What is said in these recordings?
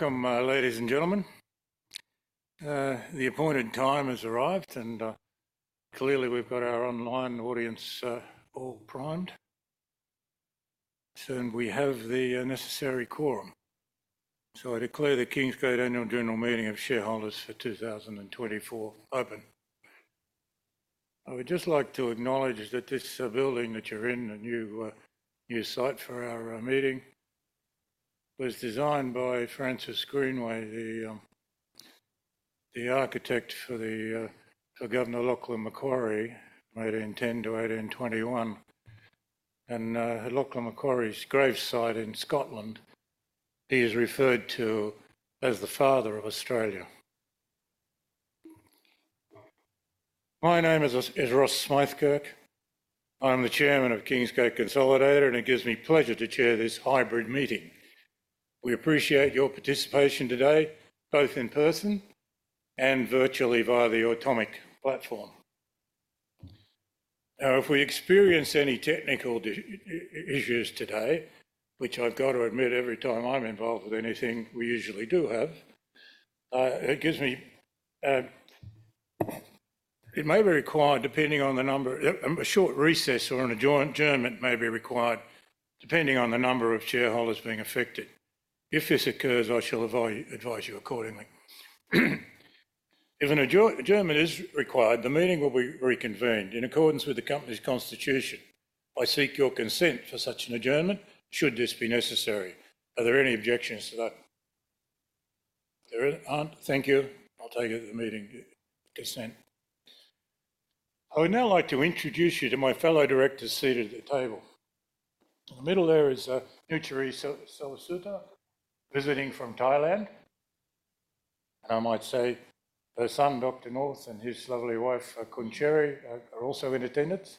Welcome, ladies and gentlemen. The appointed time has arrived, and clearly we've got our online audience all primed, and we have the necessary quorum. I declare the Kingsgate Annual General Meeting of Shareholders for 2024 open. I would just like to acknowledge that this building that you're in, a new site for our meeting, was designed by Francis Greenway, the architect for Governor Lachlan Macquarie, made in 1810 to 1821. Lachlan Macquarie's gravesite in Scotland, he is referred to as the Father of Australia. My name is Ross Smyth-Kirk. I'm the Chairman of Kingsgate Consolidated, and it gives me pleasure to chair this hybrid meeting. We appreciate your participation today, both in person and virtually via the Automic platform. Now, if we experience any technical issues today, which I've got to admit every time I'm involved with anything we usually do have, it may be required, depending on the number, a short recess or an adjournment may be required, depending on the number of shareholders being affected. If this occurs, I shall advise you accordingly. If an adjournment is required, the meeting will be reconvened in accordance with the company's constitution. I seek your consent for such an adjournment should this be necessary. Are there any objections to that? There aren't. Thank you. I'll take it as meeting consent. I would now like to introduce you to my fellow directors seated at the table. In the middle there is Nucharee Sailasuta, visiting from Thailand. And I might say her son, Dr. North, and his lovely wife, Khun Cherry, are also in attendance.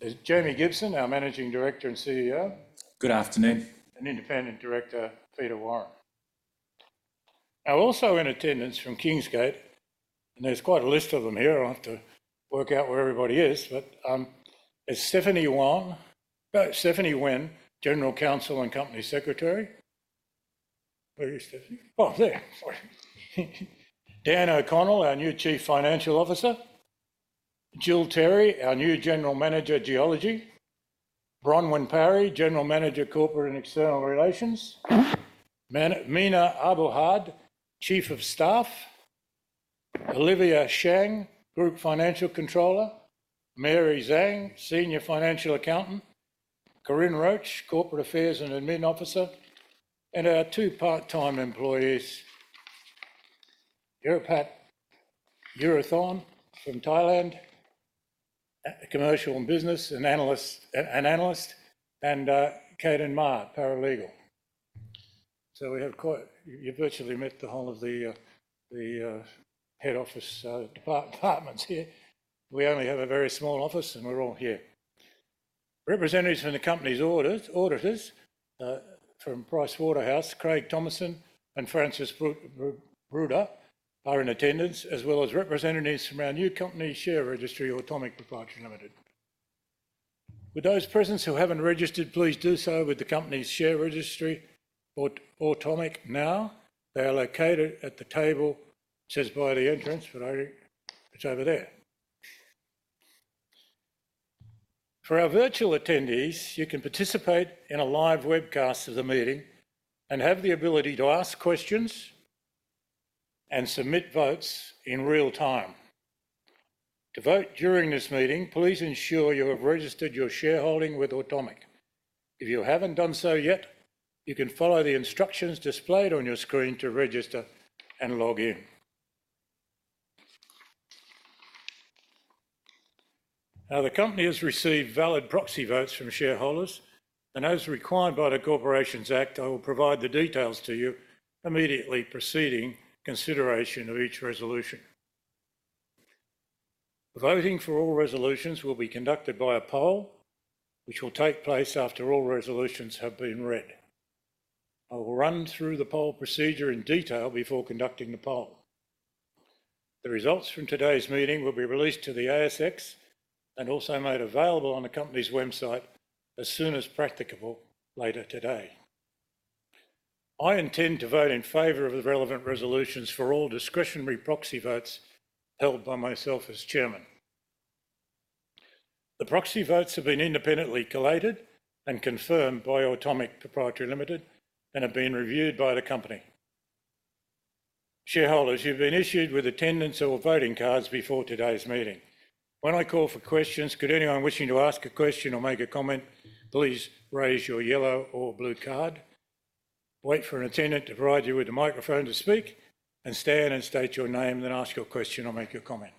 There's Jamie Gibson, our Managing Director and CEO. Good afternoon. And Independent Director, Peter Warren. Now, also in attendance from Kingsgate, and there's quite a list of them here. I'll have to work out where everybody is. But there's Stephanie Wen, General Counsel and Company Secretary. Where is Stephanie? Oh, there. Dan O'Connell, our new Chief Financial Officer. Jill Terry, our new General Manager, Geology. Bronwyn Parry, General Manager, Corporate and External Relations. Mina Abrahams, Chief of Staff. Olivia Shang, Group Financial Controller. Mary Zhang, Senior Financial Accountant. Corinne Roach, Corporate Affairs and Admin Officer. And our two part-time employees. Yuraphat Uraithan from Thailand. Commercial and Business Analyst. And Kaden Ma, Paralegal. So we have quite you've virtually met the whole of the head office departments here. We only have a very small office, and we're all here. Representatives from the company's auditors from PricewaterhouseCoopers, Craig Thomason, and Francois Bruder, are in attendance, as well as representatives from our new company share registry, Automic Proprietary Limited. For those present who haven't registered, please do so with the company's share registry, Automic Now. They are located at the table just by the entrance, but it's over there. For our virtual attendees, you can participate in a live webcast of the meeting and have the ability to ask questions and submit votes in real time. To vote during this meeting, please ensure you have registered your shareholding with Automic. If you haven't done so yet, you can follow the instructions displayed on your screen to register and log in. Now, the company has received valid proxy votes from shareholders, and as required by the Corporations Act, I will provide the details to you immediately preceding consideration of each resolution. Voting for all resolutions will be conducted by a poll, which will take place after all resolutions have been read. I will run through the poll procedure in detail before conducting the poll. The results from today's meeting will be released to the ASX and also made available on the company's website as soon as practicable later today. I intend to vote in favor of the relevant resolutions for all discretionary proxy votes held by myself as Chairman. The proxy votes have been independently collated and confirmed by Automic Proprietary Limited and have been reviewed by the company. Shareholders, you've been issued with attendance or voting cards before today's meeting. When I call for questions, could anyone wishing to ask a question or make a comment, please raise your yellow or blue card. Wait for an attendant to provide you with a microphone to speak and stand and state your name, then ask your question or make your comment.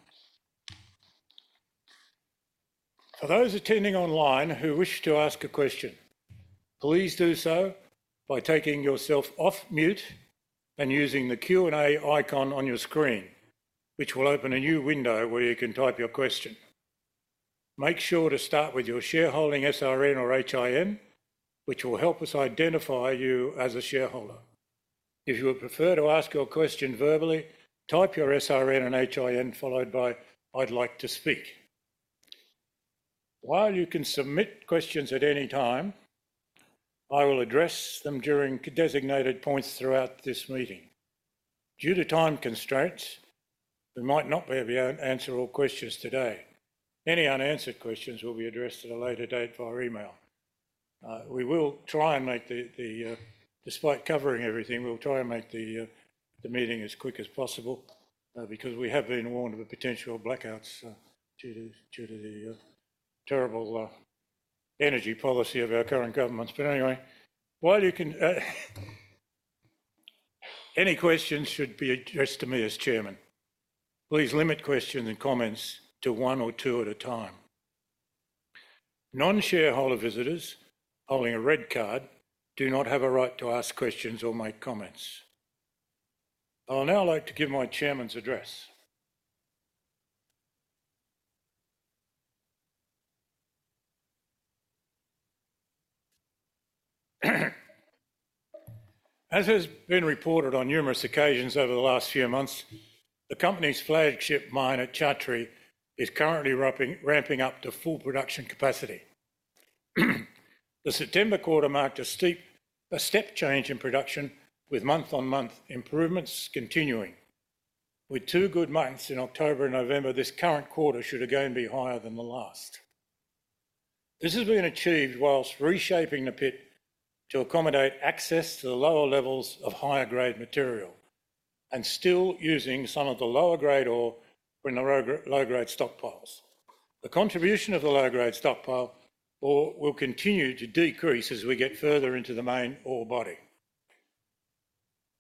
For those attending online who wish to ask a question, please do so by taking yourself off mute and using the Q&A icon on your screen, which will open a new window where you can type your question. Make sure to start with your shareholding SRN or HIN, which will help us identify you as a shareholder. If you would prefer to ask your question verbally, type your SRN and HIN followed by, "I'd like to speak." While you can submit questions at any time, I will address them during designated points throughout this meeting. Due to time constraints, we might not be able to answer all questions today. Any unanswered questions will be addressed at a later date via email. We will try and make the meeting as quick as possible, despite covering everything, because we have been warned of potential blackouts due to the terrible energy policy of our current governments. Anyway, while you can, any questions should be addressed to me as Chairman. Please limit questions and comments to one or two at a time. Non-shareholder visitors holding a red card do not have a right to ask questions or make comments. I will now like to give my Chairman's address. As has been reported on numerous occasions over the last few months, the company's flagship mine, Chatree, is currently ramping up to full production capacity. The September quarter marked a steep step change in production, with month-on-month improvements continuing. With two good months in October and November, this current quarter should again be higher than the last. This has been achieved while reshaping the pit to accommodate access to the lower levels of higher-grade material and still using some of the lower-grade ore in the low-grade stockpiles. The contribution of the low-grade stockpile will continue to decrease as we get further into the main ore body.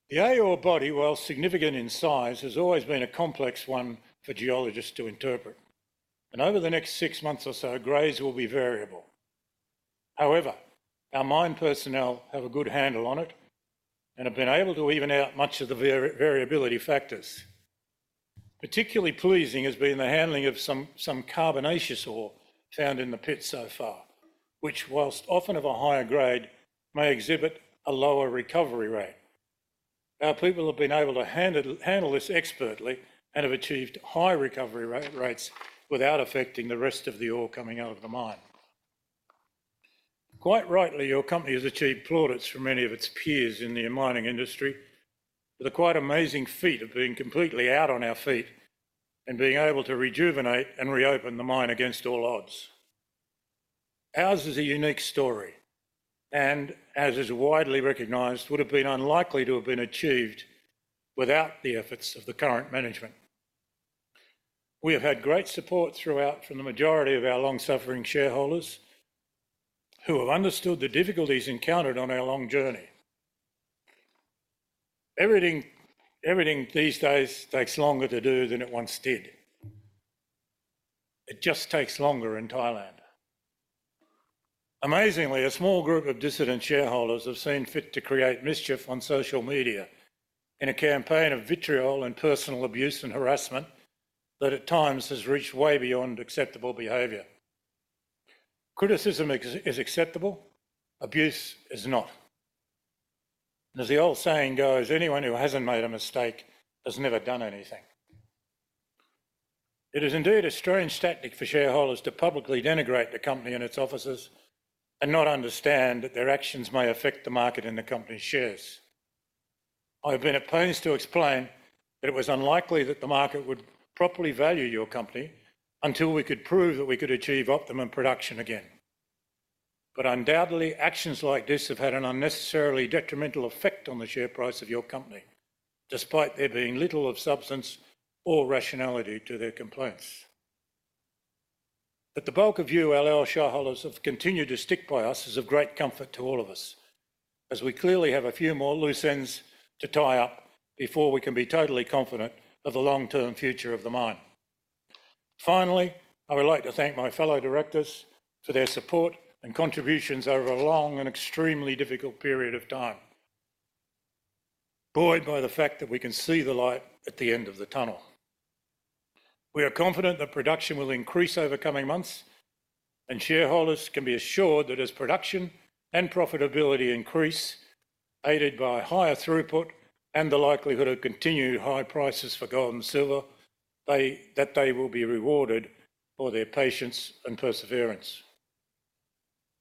The ore body, while significant in size, has always been a complex one for geologists to interpret, and over the next six months or so, grades will be variable. However, our mine personnel have a good handle on it and have been able to even out much of the variability factors. Particularly pleasing has been the handling of some carbonaceous ore found in the pit so far, which, while often of a higher grade, may exhibit a lower recovery rate. Our people have been able to handle this expertly and have achieved high recovery rates without affecting the rest of the ore coming out of the mine. Quite rightly, your company has achieved plaudits from many of its peers in the mining industry with a quite amazing feat of being completely out on our feet and being able to rejuvenate and reopen the mine against all odds. Ours is a unique story, and as is widely recognized, would have been unlikely to have been achieved without the efforts of the current management. We have had great support throughout from the majority of our long-suffering shareholders who have understood the difficulties encountered on our long journey. Everything these days takes longer to do than it once did. It just takes longer in Thailand. Amazingly, a small group of dissident shareholders have seen fit to create mischief on social media in a campaign of vitriol and personal abuse and harassment that at times has reached way beyond acceptable behavior. Criticism is acceptable. Abuse is not. As the old saying goes, anyone who hasn't made a mistake has never done anything. It is indeed a strange tactic for shareholders to publicly denigrate the company and its officers and not understand that their actions may affect the market and the company's shares. I have been opposed to explain that it was unlikely that the market would properly value your company until we could prove that we could achieve optimum production again. But undoubtedly, actions like this have had an unnecessarily detrimental effect on the share price of your company, despite there being little of substance or rationality to their complaints. That the bulk of you all shareholders have continued to stick by us is of great comfort to all of us, as we clearly have a few more loose ends to tie up before we can be totally confident of the long-term future of the mine. Finally, I would like to thank my fellow directors for their support and contributions over a long and extremely difficult period of time, buoyed by the fact that we can see the light at the end of the tunnel. We are confident that production will increase over coming months, and shareholders can be assured that as production and profitability increase, aided by higher throughput and the likelihood of continued high prices for gold and silver, that they will be rewarded for their patience and perseverance.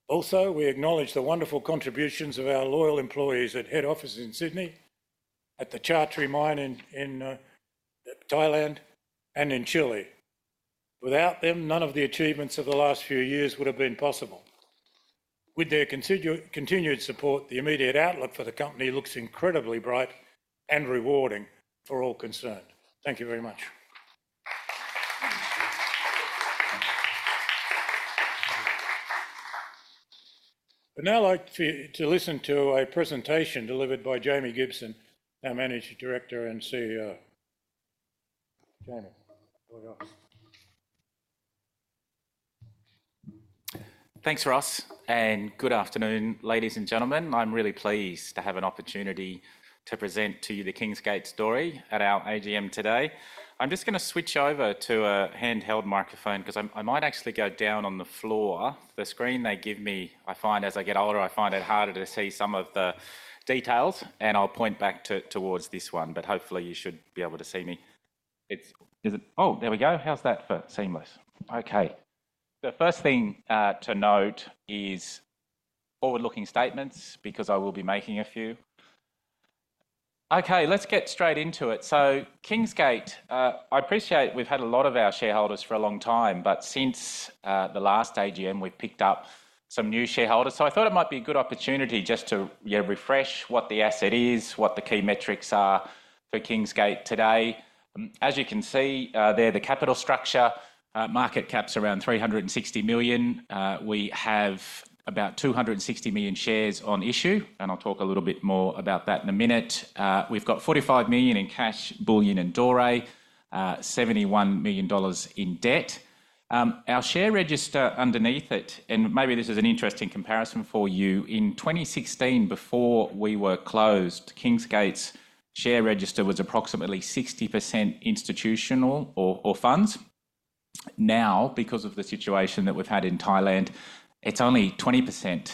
Also, we acknowledge the wonderful contributions of our loyal employees at head offices in Sydney, at the Chatree mine in Thailand, and in Chile. Without them, none of the achievements of the last few years would have been possible. With their continued support, the immediate outlook for the company looks incredibly bright and rewarding for all concerned. Thank you very much. I'd now like to listen to a presentation delivered by Jamie Gibson, our Managing Director and CEO. Jamie, go ahead. Thanks, Ross. And good afternoon, ladies and gentlemen. I'm really pleased to have an opportunity to present to you the Kingsgate Story at our AGM today. I'm just going to switch over to a handheld microphone because I might actually go down on the floor. The screen they give me, I find, as I get older, I find it harder to see some of the details, and I'll point back towards this one. But hopefully, you should be able to see me. Oh, there we go. How's that for seamless? Okay. The first thing to note is forward-looking statements because I will be making a few. Okay, let's get straight into it. So Kingsgate, I appreciate we've had a lot of our shareholders for a long time, but since the last AGM, we've picked up some new shareholders. So I thought it might be a good opportunity just to refresh what the asset is, what the key metrics are for Kingsgate today. As you can see there, the capital structure, market cap's around 360 million. We have about 260 million shares on issue, and I'll talk a little bit more about that in a minute. We've got 45 million in cash, bullion and doré, $71 million in debt. Our share register underneath it, and maybe this is an interesting comparison for you, in 2016, before we were closed, Kingsgate's share register was approximately 60% institutional or funds. Now, because of the situation that we've had in Thailand, it's only 20%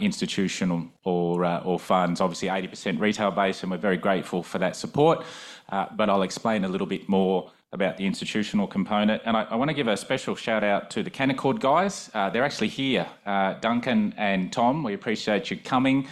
institutional or funds. Obviously, 80% retail-based, and we're very grateful for that support. But I'll explain a little bit more about the institutional component. And I want to give a special shout-out to the Canaccord guys. They're actually here, Duncan and Tom. We appreciate you coming.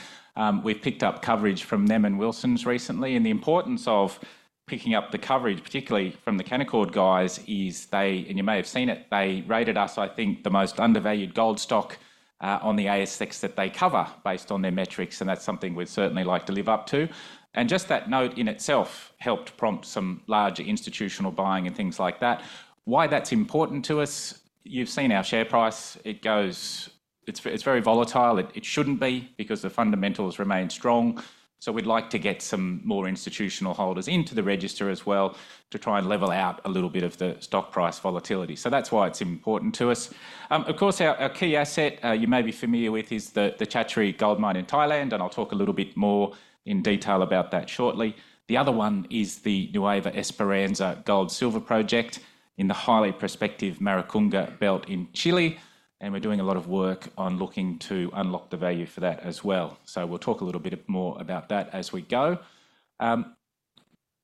We've picked up coverage from them and Wilsons recently. And the importance of picking up the coverage, particularly from the Canaccord guys, is they, and you may have seen it, they rated us, I think, the most undervalued gold stock on the ASX that they cover based on their metrics. And that's something we'd certainly like to live up to. And just that note in itself helped prompt some larger institutional buying and things like that. Why that's important to us, you've seen our share price. It's very volatile. It shouldn't be because the fundamentals remain strong. So we'd like to get some more institutional holders into the register as well to try and level out a little bit of the stock price volatility. So that's why it's important to us. Of course, our key asset you may be familiar with is the Chatree gold mine in Thailand, and I'll talk a little bit more in detail about that shortly. The other one is the Nueva Esperanza gold-silver project in the highly prospective Maricunga Belt in Chile, and we're doing a lot of work on looking to unlock the value for that as well, so we'll talk a little bit more about that as we go.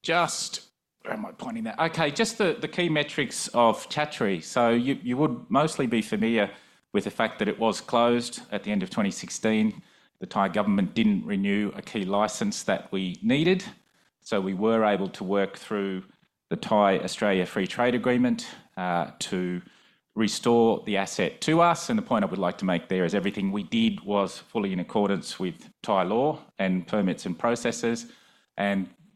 Just where am I pointing that? Okay, just the key metrics of Chatree, so you would mostly be familiar with the fact that it was closed at the end of 2016. The Thai government didn't renew a key license that we needed, so we were able to work through the Thailand-Australia Free Trade Agreement to restore the asset to us. The point I would like to make there is everything we did was fully in accordance with Thai law and permits and processes.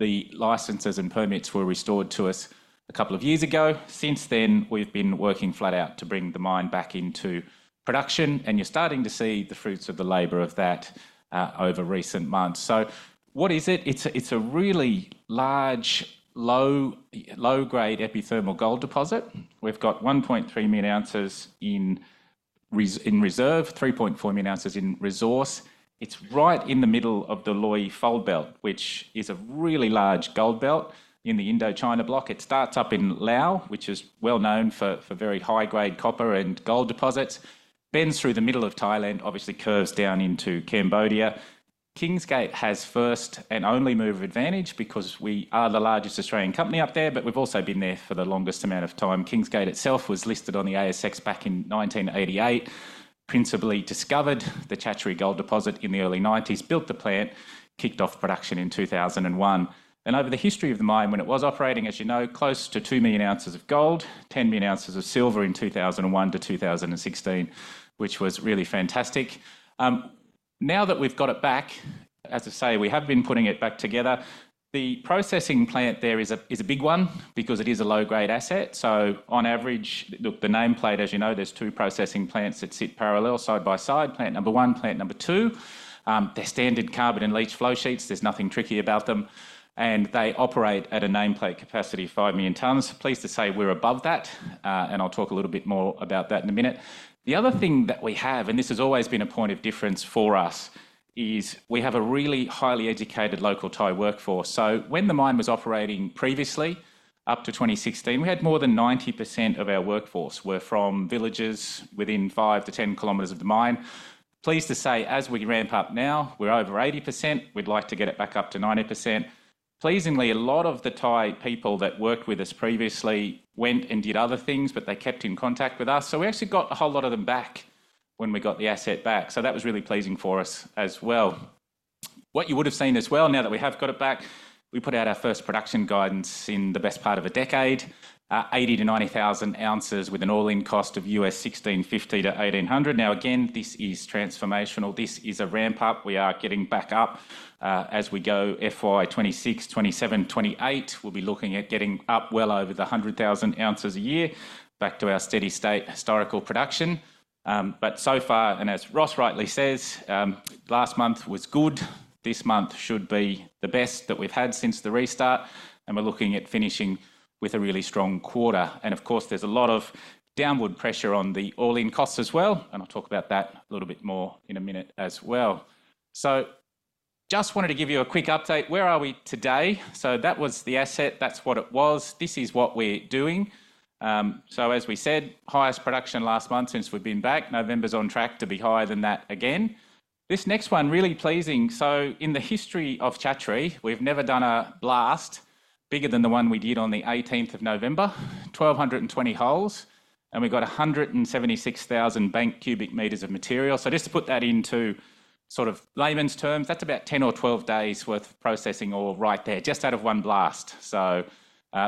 The licenses and permits were restored to us a couple of years ago. Since then, we've been working flat out to bring the mine back into production. You're starting to see the fruits of the labor of that over recent months. So what is it? It's a really large, low-grade epithermal gold deposit. We've got 1.3 million ounces in reserve, 3.4 million ounces in resource. It's right in the middle of the Loei Fold Belt, which is a really large gold belt in the Indochina block. It starts up in Lao, which is well known for very high-grade copper and gold deposits, bends through the middle of Thailand, obviously curves down into Cambodia. Kingsgate has first and only move of advantage because we are the largest Australian company up there, but we've also been there for the longest amount of time. Kingsgate itself was listed on the ASX back in 1988, principally discovered the Chatree gold deposit in the early 1990s, built the plant, kicked off production in 2001, and over the history of the mine, when it was operating, as you know, close to 2 million ounces of gold, 10 million ounces of silver in 2001 to 2016, which was really fantastic. Now that we've got it back, as I say, we have been putting it back together. The processing plant there is a big one because it is a low-grade asset, so on average, look, the nameplate, as you know, there's two processing plants that sit parallel, side by side, plant number one, plant number two. They're standard carbon and leach flow sheets. There's nothing tricky about them. And they operate at a nameplate capacity of 5 million tonnes. Pleased to say we're above that. And I'll talk a little bit more about that in a minute. The other thing that we have, and this has always been a point of difference for us, is we have a really highly educated local Thai workforce. So when the mine was operating previously, up to 2016, we had more than 90% of our workforce were from villages within 5 to 10 kilometers of the mine. Pleased to say, as we ramp up now, we're over 80%. We'd like to get it back up to 90%. Pleasingly, a lot of the Thai people that worked with us previously went and did other things, but they kept in contact with us. So we actually got a whole lot of them back when we got the asset back. So that was really pleasing for us as well. What you would have seen as well, now that we have got it back, we put out our first production guidance in the best part of a decade, 80-90,000 ounces with an all-in cost of $1,650-$1,800. Now again, this is transformational. This is a ramp-up. We are getting back up as we go. FY26, 27, 28, we'll be looking at getting up well over the 100,000 ounces a year back to our steady state historical production. But so far, and as Ross rightly says, last month was good. This month should be the best that we've had since the restart. And we're looking at finishing with a really strong quarter. And of course, there's a lot of downward pressure on the all-in cost as well. And I'll talk about that a little bit more in a minute as well. So just wanted to give you a quick update. Where are we today? So that was the asset. That's what it was. This is what we're doing. So as we said, highest production last month since we've been back. November's on track to be higher than that again. This next one, really pleasing. So in the history of Chatree, we've never done a blast bigger than the one we did on the 18th of November, 1,220 holes. And we got 176,000 bank cubic meters of material. So just to put that into sort of layman's terms, that's about 10 or 12 days' worth of processing all right there, just out of one blast. So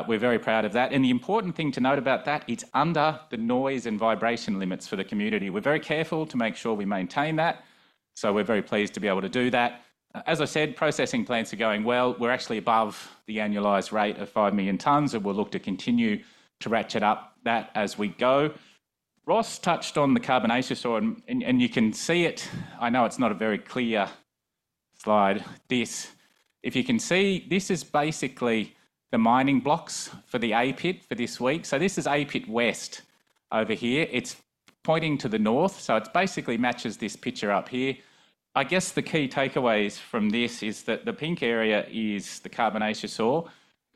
we're very proud of that. The important thing to note about that, it's under the noise and vibration limits for the community. We're very careful to make sure we maintain that. We're very pleased to be able to do that. As I said, processing plants are going well. We're actually above the annualized rate of five million tonnes, and we'll look to continue to ratchet up that as we go. Ross touched on the carbonaceous ore, and you can see it. I know it's not a very clear slide. If you can see, this is basically the mining blocks for the A Pit for this week. This is A Pit West over here. It's pointing to the north. It basically matches this picture up here. I guess the key takeaways from this is that the pink area is the carbonaceous ore.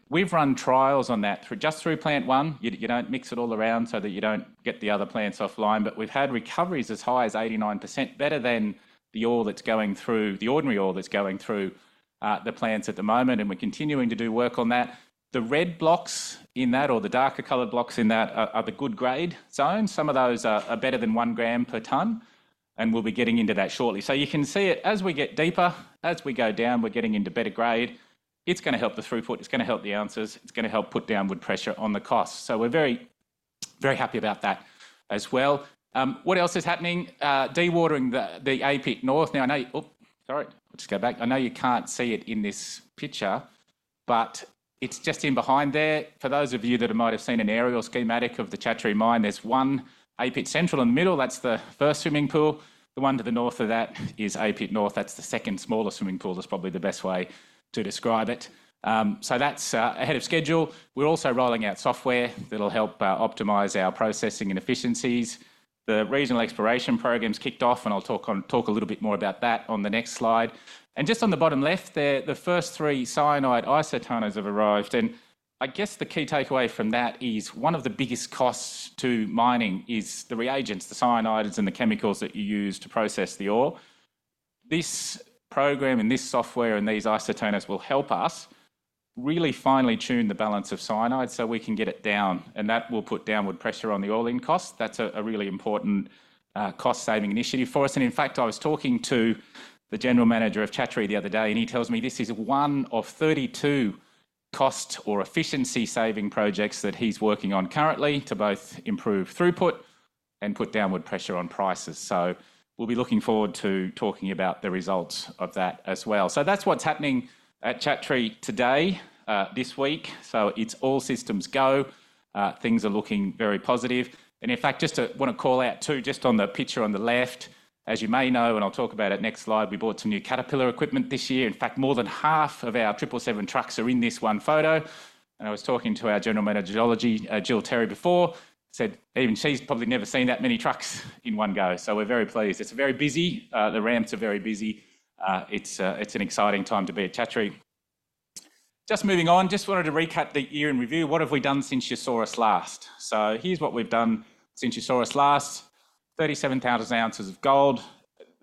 We've run trials on that just through plant one. You don't mix it all around so that you don't get the other plants offline. But we've had recoveries as high as 89%, better than the ordinary oil that's going through the plants at the moment. And we're continuing to do work on that. The red blocks in that, or the darker colored blocks in that, are the good grade zones. Some of those are better than one gram per tonne. And we'll be getting into that shortly. So you can see it as we get deeper, as we go down, we're getting into better grade. It's going to help the throughput. It's going to help the ounces. It's going to help put downward pressure on the cost. So we're very, very happy about that as well. What else is happening? Dewatering the A Pit North. Now, I know you. Oops, sorry. I'll just go back. I know you can't see it in this picture, but it's just in behind there. For those of you that might have seen an aerial schematic of the Chatree mine, there's one A Pit Central in the middle. That's the first swimming pool. The one to the north of that is A Pit North. That's the second smallest swimming pool. That's probably the best way to describe it. So that's ahead of schedule. We're also rolling out software that'll help optimize our processing and efficiencies. The regional exploration program's kicked off, and I'll talk a little bit more about that on the next slide. And just on the bottom left, the first three cyanide Isotainers have arrived. And I guess the key takeaway from that is one of the biggest costs to mining is the reagents, the cyanides, and the chemicals that you use to process the ore. This program and this software and these Isotainers will help us really finely tune the balance of cyanide so we can get it down. That will put downward pressure on the all-in cost. That's a really important cost-saving initiative for us. In fact, I was talking to the general manager of Chatree the other day, and he tells me this is one of 32 cost or efficiency-saving projects that he's working on currently to both improve throughput and put downward pressure on prices. We'll be looking forward to talking about the results of that as well. That's what's happening at Chatree today, this week. It's all systems go. Things are looking very positive. In fact, just I want to call out too, just on the picture on the left, as you may know, and I'll talk about it next slide, we bought some new Caterpillar equipment this year. In fact, more than half of our 777 trucks are in this one photo. And I was talking to our General Manager, Geology, Jill Terry, before. Said even she's probably never seen that many trucks in one go. So we're very pleased. It's very busy. The ramps are very busy. It's an exciting time to be at Chatree. Just moving on, just wanted to recap the year in review. What have we done since you saw us last? So here's what we've done since you saw us last. 37,000 ounces of gold.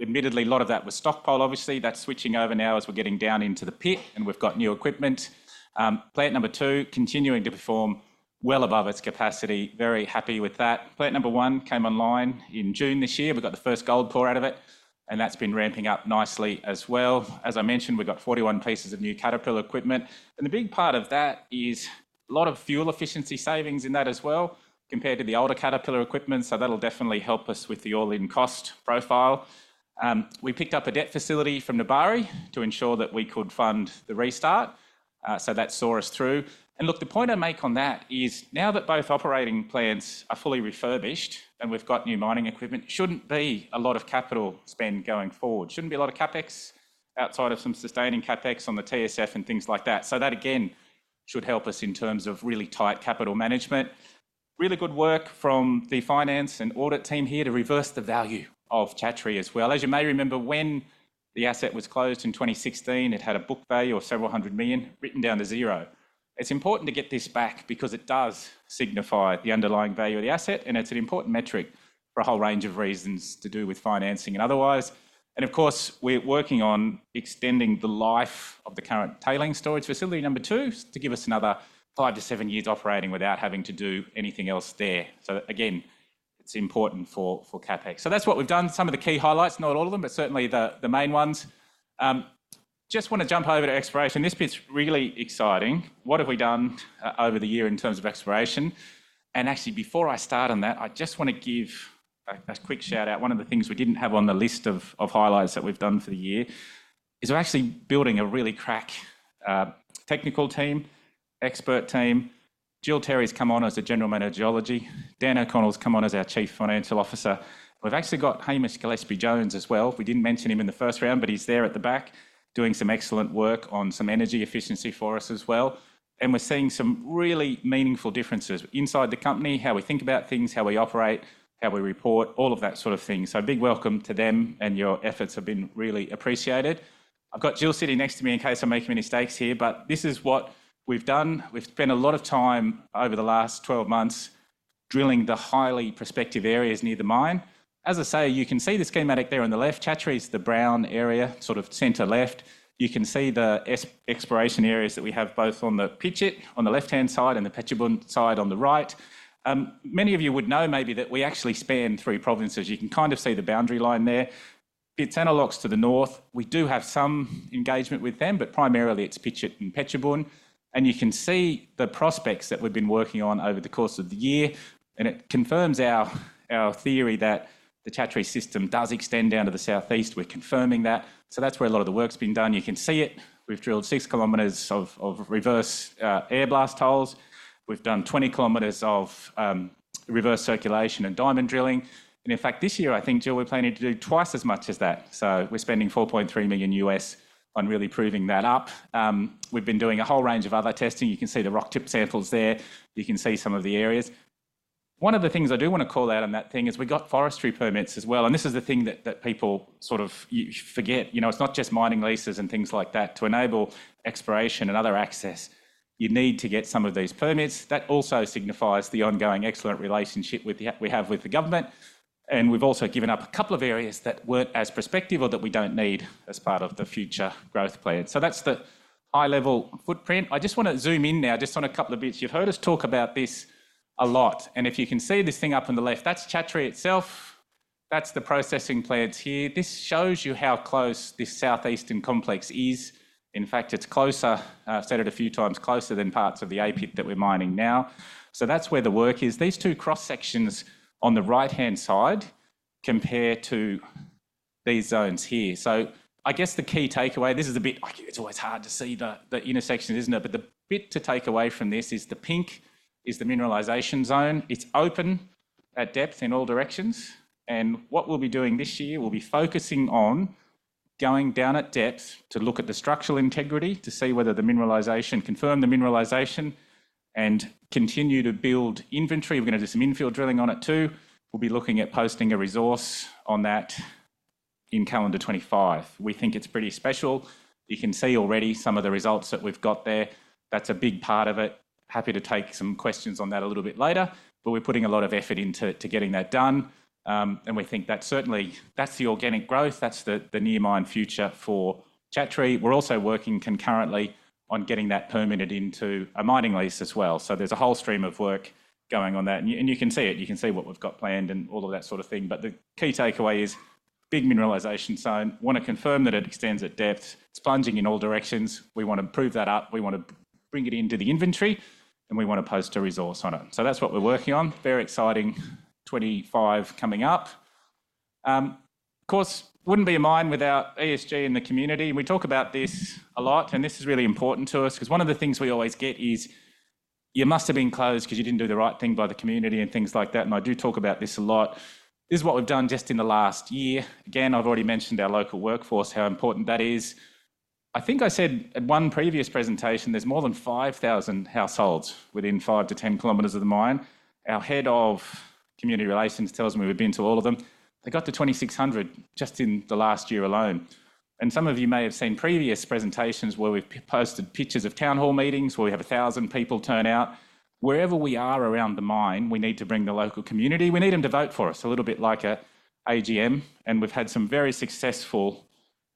Admittedly, a lot of that was stockpiled, obviously. That's switching over now as we're getting down into the pit, and we've got new equipment. Plant number two, continuing to perform well above its capacity. Very happy with that. Plant number one came online in June this year. We got the first gold pour out of it, and that's been ramping up nicely as well. As I mentioned, we got 41 pieces of new Caterpillar equipment, and the big part of that is a lot of fuel efficiency savings in that as well, compared to the older Caterpillar equipment. So that'll definitely help us with the all-in cost profile. We picked up a debt facility from Nebari to ensure that we could fund the restart, so that saw us through. And look, the point I make on that is now that both operating plants are fully refurbished and we've got new mining equipment, there shouldn't be a lot of capital spend going forward. There shouldn't be a lot of CapEx outside of some sustaining CapEx on the TSF and things like that. So that, again, should help us in terms of really tight capital management. Really good work from the finance and audit team here to reverse the value of Chatree as well. As you may remember, when the asset was closed in 2016, it had a book value of several hundred million written down to zero. It's important to get this back because it does signify the underlying value of the asset, and it's an important metric for a whole range of reasons to do with financing and otherwise. Of course, we're working on extending the life of the current tailings storage facility number two to give us another five to seven years operating without having to do anything else there. Again, it's important for CapEx. That's what we've done. Some of the key highlights, not all of them, but certainly the main ones. Just want to jump over to exploration. This bit's really exciting. What have we done over the year in terms of exploration? Actually, before I start on that, I just want to give a quick shout-out. One of the things we didn't have on the list of highlights that we've done for the year is we're actually building a really crack technical team, expert team. Jill Terry's come on as the General Manager of Geology. Dan O'Connell's come on as our Chief Financial Officer. We've actually got Hamish Gillespie-Jones as well. We didn't mention him in the first round, but he's there at the back doing some excellent work on some energy efficiency for us as well. And we're seeing some really meaningful differences inside the company, how we think about things, how we operate, how we report, all of that sort of thing. So big welcome to them, and your efforts have been really appreciated. I've got Jill sitting next to me in case I make any mistakes here, but this is what we've done. We've spent a lot of time over the last 12 months drilling the highly prospective areas near the mine. As I say, you can see the schematic there on the left. Chatree's the brown area, sort of centre left. You can see the exploration areas that we have both on the Phichit on the left-hand side and the Phetchabun side on the right. Many of you would know maybe that we actually span three provinces. You can kind of see the boundary line there. It's Laos to the north. We do have some engagement with them, but primarily it's Phichit and Phetchabun. And you can see the prospects that we've been working on over the course of the year. And it confirms our theory that the Chatree system does extend down to the southeast. We're confirming that. So that's where a lot of the work's been done. You can see it. We've drilled six kilometers of reverse air blast holes. We've done 20 kilometers of reverse circulation and diamond drilling. And in fact, this year, I think, Jill, we're planning to do twice as much as that. So we're spending $4.3 million on really proving that up. We've been doing a whole range of other testing. You can see the rock tip samples there. You can see some of the areas. One of the things I do want to call out on that thing is we got forestry permits as well. And this is the thing that people sort of forget. You know, it's not just mining leases and things like that to enable exploration and other access. You need to get some of these permits. That also signifies the ongoing excellent relationship we have with the government. And we've also given up a couple of areas that weren't as prospective or that we don't need as part of the future growth plan. So that's the high-level footprint. I just want to zoom in now just on a couple of bits. You've heard us talk about this a lot. And if you can see this thing up on the left, that's Chatree itself. That's the processing plants here. This shows you how close this southeastern complex is. In fact, it's closer. I've said it a few times, closer than parts of the A Pit that we're mining now. So that's where the work is. These two cross-sections on the right-hand side compare to these zones here. So I guess the key takeaway, this is a bit, it's always hard to see the intersections, isn't it? But the bit to take away from this is the pink is the mineralization zone. It's open at depth in all directions. And what we'll be doing this year, we'll be focusing on going down at depth to look at the structural integrity, to see whether the mineralization, confirm the mineralization, and continue to build inventory. We're going to do some infill drilling on it too. We'll be looking at posting a resource on that in calendar 2025. We think it's pretty special. You can see already some of the results that we've got there. That's a big part of it, happy to take some questions on that a little bit later. We're putting a lot of effort into getting that done, and we think that certainly that's the organic growth. That's the near-mine future for Chatree. We're also working concurrently on getting that permitted into a mining lease as well. There's a whole stream of work going on that, and you can see it. You can see what we've got planned and all of that sort of thing. The key takeaway is big mineralization zone. We want to confirm that it extends at depth. It's plunging in all directions. We want to prove that up. We want to bring it into the inventory, and we want to post a resource on it. So that's what we're working on. Very exciting 25 coming up. Of course, it wouldn't be a mine without ESG in the community. And we talk about this a lot. And this is really important to us because one of the things we always get is you must have been closed because you didn't do the right thing by the community and things like that. And I do talk about this a lot. This is what we've done just in the last year. Again, I've already mentioned our local workforce, how important that is. I think I said at one previous presentation, there's more than 5,000 households within five to ten kilometers of the mine. Our head of community relations tells me we've been to all of them. They got to 2,600 just in the last year alone. Some of you may have seen previous presentations where we've posted pictures of town hall meetings where we have 1,000 people turn out. Wherever we are around the mine, we need to bring the local community. We need them to vote for us, a little bit like an AGM. We've had some very successful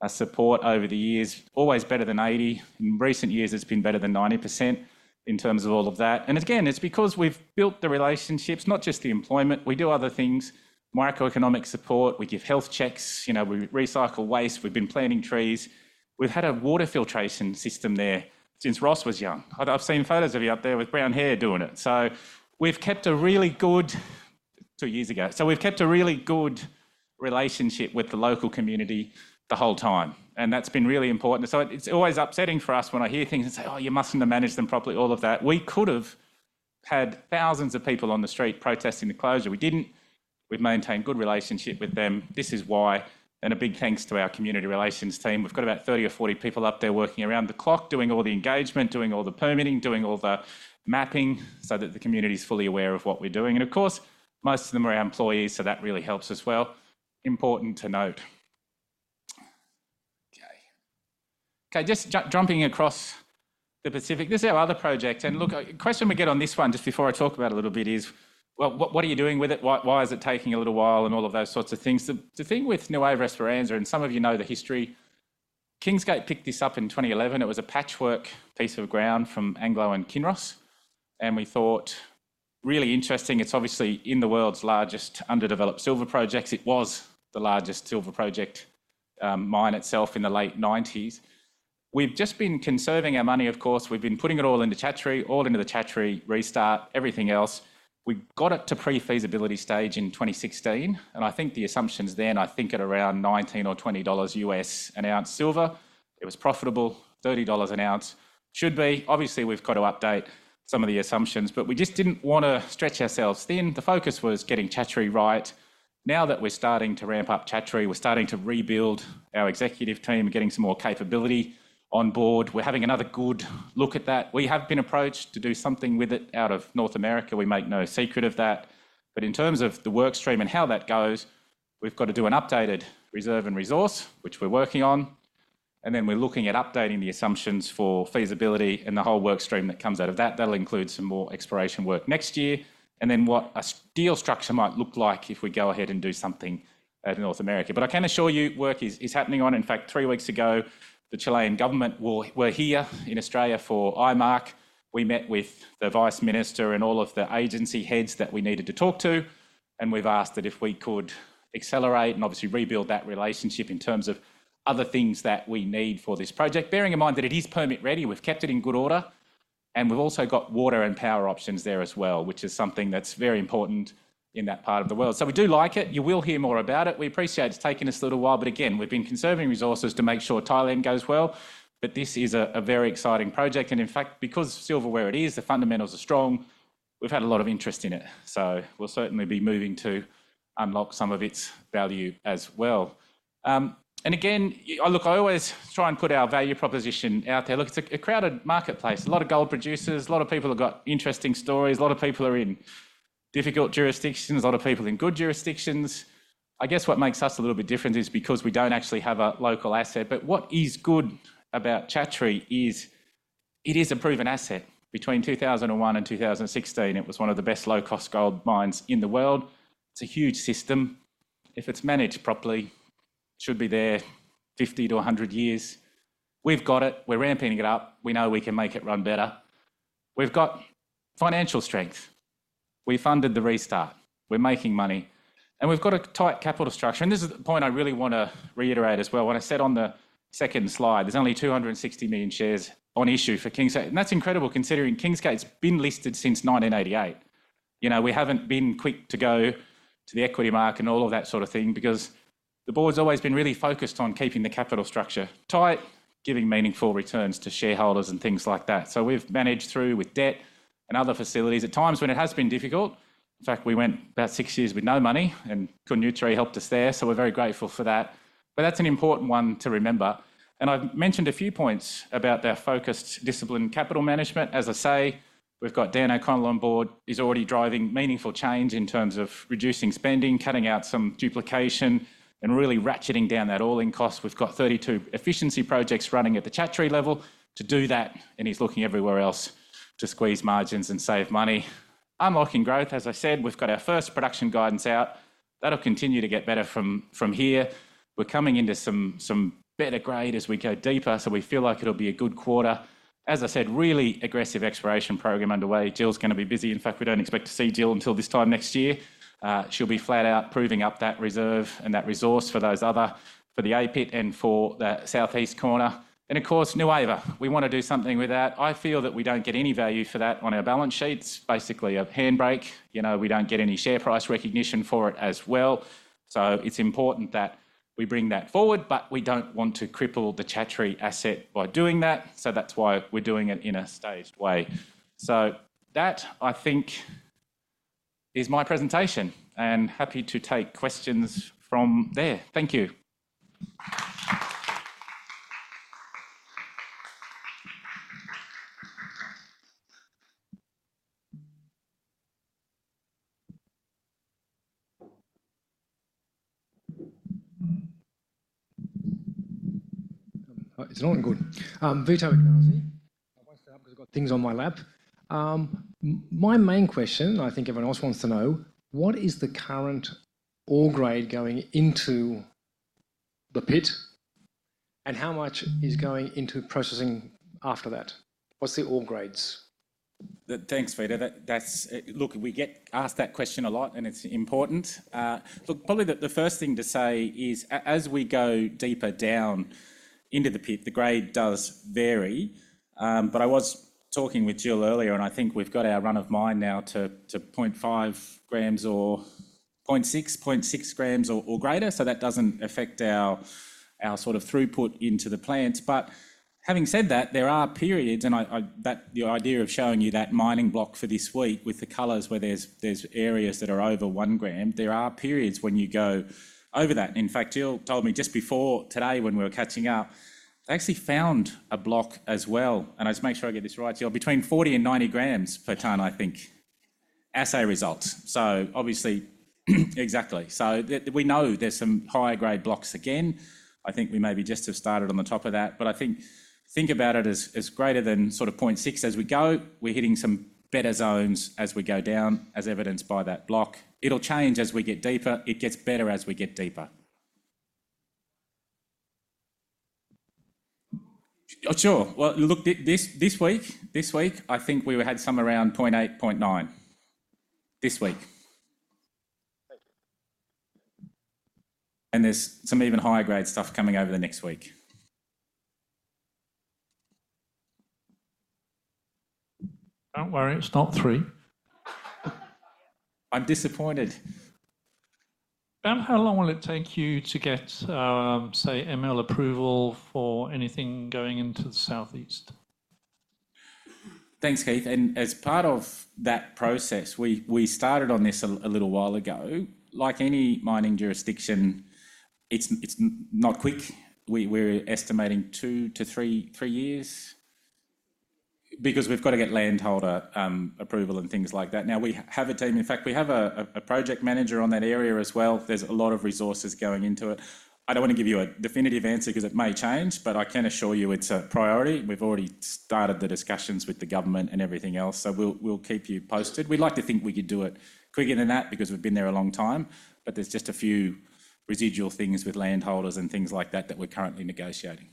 support over the years. Always better than 80%. In recent years, it's been better than 90% in terms of all of that. Again, it's because we've built the relationships, not just the employment. We do other things. Macroeconomic support. We give health checks. You know, we recycle waste. We've been planting trees. We've had a water filtration system there since Ross was young. I've seen photos of you out there with brown hair doing it. So we've kept a really good, two years ago. So we've kept a really good relationship with the local community the whole time. And that's been really important. So it's always upsetting for us when I hear things and say, "Oh, you mustn't have managed them properly," all of that. We could have had thousands of people on the street protesting the closure. We didn't. We've maintained good relationship with them. This is why. And a big thanks to our community relations team. We've got about 30 or 40 people up there working around the clock, doing all the engagement, doing all the permitting, doing all the mapping so that the community is fully aware of what we're doing. And of course, most of them are our employees, so that really helps as well. Important to note. Okay. Okay, just jumping across the Pacific. This is our other project. Look, a question we get on this one just before I talk about it a little bit is, well, what are you doing with it? Why is it taking a little while and all of those sorts of things? The thing with Nueva Esperanza, and some of you know the history, Kingsgate picked this up in 2011. It was a patchwork piece of ground from Anglo and Kinross. We thought, really interesting. It's obviously in the world's largest underdeveloped silver projects. It was the largest silver project mine itself in the late 1990s. We've just been conserving our money, of course. We've been putting it all into Chatree, all into the Chatree restart, everything else. We got it to pre-feasibility stage in 2016. I think the assumptions then, I think at around $19-$20 US an ounce silver, it was profitable, $30 an ounce should be. Obviously, we've got to update some of the assumptions, but we just didn't want to stretch ourselves thin. The focus was getting Chatree right. Now that we're starting to ramp up Chatree, we're starting to rebuild our executive team, getting some more capability on Board. We're having another good look at that. We have been approached to do something with it out of North America. We make no secret of that, but in terms of the workstream and how that goes, we've got to do an updated reserve and resource, which we're working on, and then we're looking at updating the assumptions for feasibility and the whole workstream that comes out of that. That'll include some more exploration work next year, and then what a deal structure might look like if we go ahead and do something at North America. But I can assure you work is happening on. In fact, three weeks ago, the Chilean government were here in Australia for IMAC. We met with the vice minister and all of the agency heads that we needed to talk to, and we've asked that if we could accelerate and obviously rebuild that relationship in terms of other things that we need for this project. Bearing in mind that it is permit-ready, we've kept it in good order, and we've also got water and power options there as well, which is something that's very important in that part of the world, so we do like it. You will hear more about it. We appreciate it's taken us a little while, but again, we've been conserving resources to make sure Thailand goes well, but this is a very exciting project, and in fact, because silver, where it is, the fundamentals are strong, we've had a lot of interest in it. So we'll certainly be moving to unlock some of its value as well. And again, look, I always try and put our value proposition out there. Look, it's a crowded marketplace. A lot of gold producers, a lot of people have got interesting stories. A lot of people are in difficult jurisdictions, a lot of people in good jurisdictions. I guess what makes us a little bit different is because we don't actually have a local asset. But what is good about Chatree is it is a proven asset. Between 2001 and 2016, it was one of the best low-cost gold mines in the world. It's a huge system. If it's managed properly, it should be there 50 to 100 years. We've got it. We're ramping it up. We know we can make it run better. We've got financial strength. We funded the restart. We're making money. And we've got a tight capital structure. And this is the point I really want to reiterate as well. When I said on the second slide, there's only 260 million shares on issue for Kingsgate. And that's incredible considering Kingsgate's been listed since 1988. You know, we haven't been quick to go to the equity market and all of that sort of thing because the Board's always been really focused on keeping the capital structure tight, giving meaningful returns to shareholders and things like that. So we've managed through with debt and other facilities at times when it has been difficult. In fact, we went about six years with no money and Chatree helped us there. So we're very grateful for that. But that's an important one to remember. And I've mentioned a few points about their focused, disciplined capital management. As I say, we've got Dan O'Connell on board who is already driving meaningful change in terms of reducing spending, cutting out some duplication, and really ratcheting down that all-in cost. We've got 32 efficiency projects running at the Chatree level to do that. And he's looking everywhere else to squeeze margins and save money. Unlocking growth. As I said, we've got our first production guidance out. That'll continue to get better from here. We're coming into some better grade as we go deeper. So we feel like it'll be a good quarter. As I said, really aggressive exploration program underway. Jill's going to be busy. In fact, we don't expect to see Jill until this time next year. She'll be flat out proving up that reserve and that resource for those other, for the A Pit and for the southeast corner. And of course, Nueva, we want to do something with that. I feel that we don't get any value for that on our balance sheets, basically a handbrake. You know, we don't get any share price recognition for it as well. So it's important that we bring that forward. But we don't want to cripple the Chatree asset by doing that. So that's why we're doing it in a staged way. So that, I think, is my presentation. And happy to take questions from there. Thank you. It's not good. Vito Interlazzi, I want to stand up because I've got things on my lap. My main question, I think everyone else wants to know, what is the current ore grade going into the pit and how much is going into processing after that? What's the ore grades? Thanks, Vito. Look, we get asked that question a lot and it's important. Look, probably the first thing to say is as we go deeper down into the pit, the grade does vary. But I was talking with Jill earlier, and I think we've got our run of mine now to 0.5 grams or 0.6, 0.6 grams or greater. So that doesn't affect our sort of throughput into the plants. But having said that, there are periods, and the idea of showing you that mining block for this week with the colours where there's areas that are over one gram, there are periods when you go over that. In fact, Jill told me just before today when we were catching up, I actually found a block as well. And I just make sure I get this right, Jill, between 40 and 90 grams per tonne, I think, assay results. So obviously, exactly. So we know there's some higher grade blocks again. I think we maybe just have started on the top of that. But I think about it as greater than sort of 0.6 as we go. We're hitting some better zones as we go down, as evidenced by that block. It'll change as we get deeper. It gets better as we get deeper. Sure. Well, look, this week, I think we had some around 0.8, 0.9 this week. And there's some even higher grade stuff coming over the next week. Don't worry, it's not three. I'm disappointed. How long will it take you to get, say, ML approval for anything going into the southeast? Thanks, Keith. And as part of that process, we started on this a little while ago. Like any mining jurisdiction, it's not quick. We're estimating two to three years because we've got to get landholder approval and things like that. Now, we have a team. In fact, we have a project manager on that area as well. There's a lot of resources going into it. I don't want to give you a definitive answer because it may change, but I can assure you it's a priority. We've already started the discussions with the government and everything else. So we'll keep you posted. We'd like to think we could do it quicker than that because we've been there a long time. But there's just a few residual things with landholders and things like that that we're currently negotiating.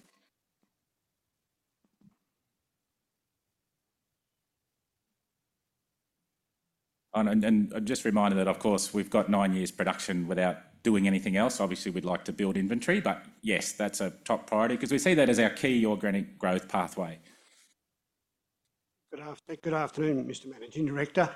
And I'm just reminded that, of course, we've got nine years production without doing anything else. Obviously, we'd like to build inventory. But yes, that's a top priority because we see that as our key organic growth pathway. Good afternoon, Mr. Managing Director.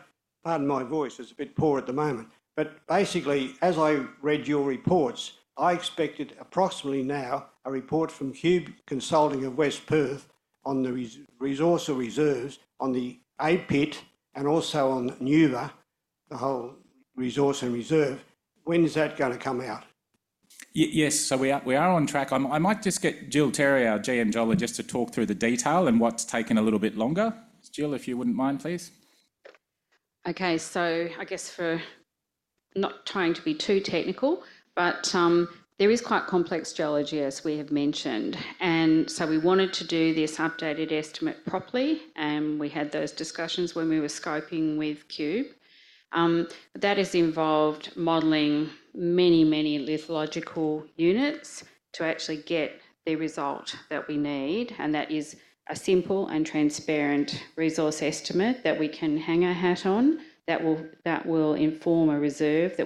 Pardon my voice. It's a bit poor at the moment. But basically, as I read your reports, I expected approximately now a report from Cube Consulting of West Perth on the resource or reserves on the A Pit and also on Nueva, the whole resource and reserve. When is that going to come out? Yes, so we are on track. I might just get Jill Terry, our geologist, to talk through the detail and what's taken a little bit longer. Jill, if you wouldn't mind, please. Okay, so I guess, not trying to be too technical, but there is quite complex geology, as we have mentioned. And so we wanted to do this updated estimate properly. And we had those discussions when we were scoping with Cube. That has involved modeling many, many lithological units to actually get the result that we need. And that is a simple and transparent resource estimate that we can hang our hat on that will inform a reserve that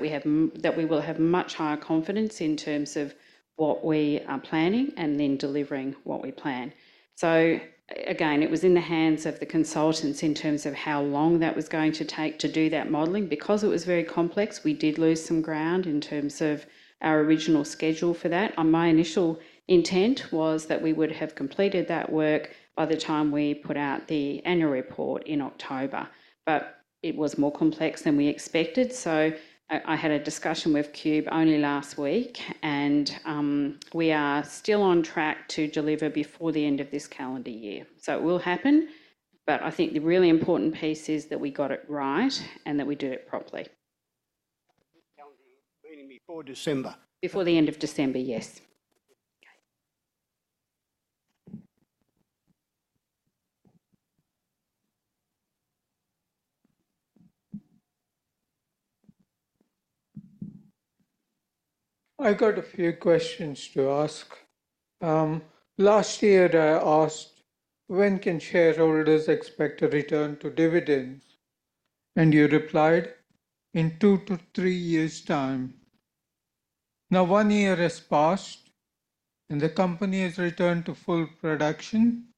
we will have much higher confidence in terms of what we are planning and then delivering what we plan. So again, it was in the hands of the consultants in terms of how long that was going to take to do that modeling. Because it was very complex, we did lose some ground in terms of our original schedule for that. My initial intent was that we would have completed that work by the time we put out the annual report in October. But it was more complex than we expected. So I had a discussion with Cube only last week. And we are still on track to deliver before the end of this calendar year. So it will happen. But I think the really important piece is that we got it right and that we did it properly. Meaning before December. Before the end of December, yes. I've got a few questions to ask. Last year, I asked, when can shareholders expect to return to dividends? And you replied, in two to three years' time. Now, one year has passed and the company has returned to full production.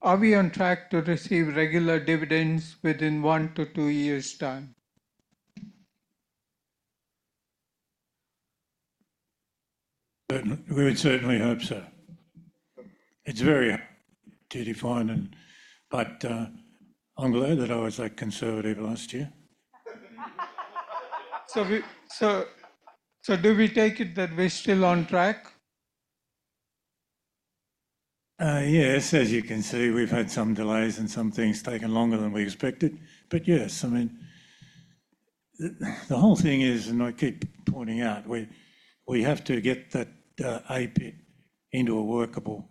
Are we on track to receive regular dividends within one to two years' time? We would certainly hope so. It's very hard to define. But I'm glad that I was that conservative last year. So do we take it that we're still on track? Yes, as you can see, we've had some delays and some things taken longer than we expected. Yes, I mean, the whole thing is, and I keep pointing out, we have to get that A Pit into a workable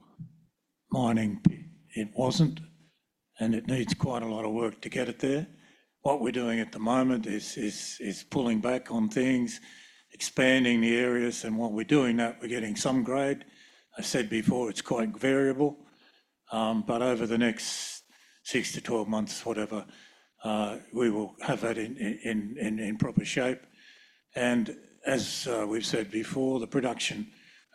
mining pit. It wasn't. It needs quite a lot of work to get it there. What we're doing at the moment is pulling back on things, expanding the areas. While we're doing that, we're getting some grade. I said before, it's quite variable. Over the next six to 12 months, whatever, we will have that in proper shape. As we've said before, the production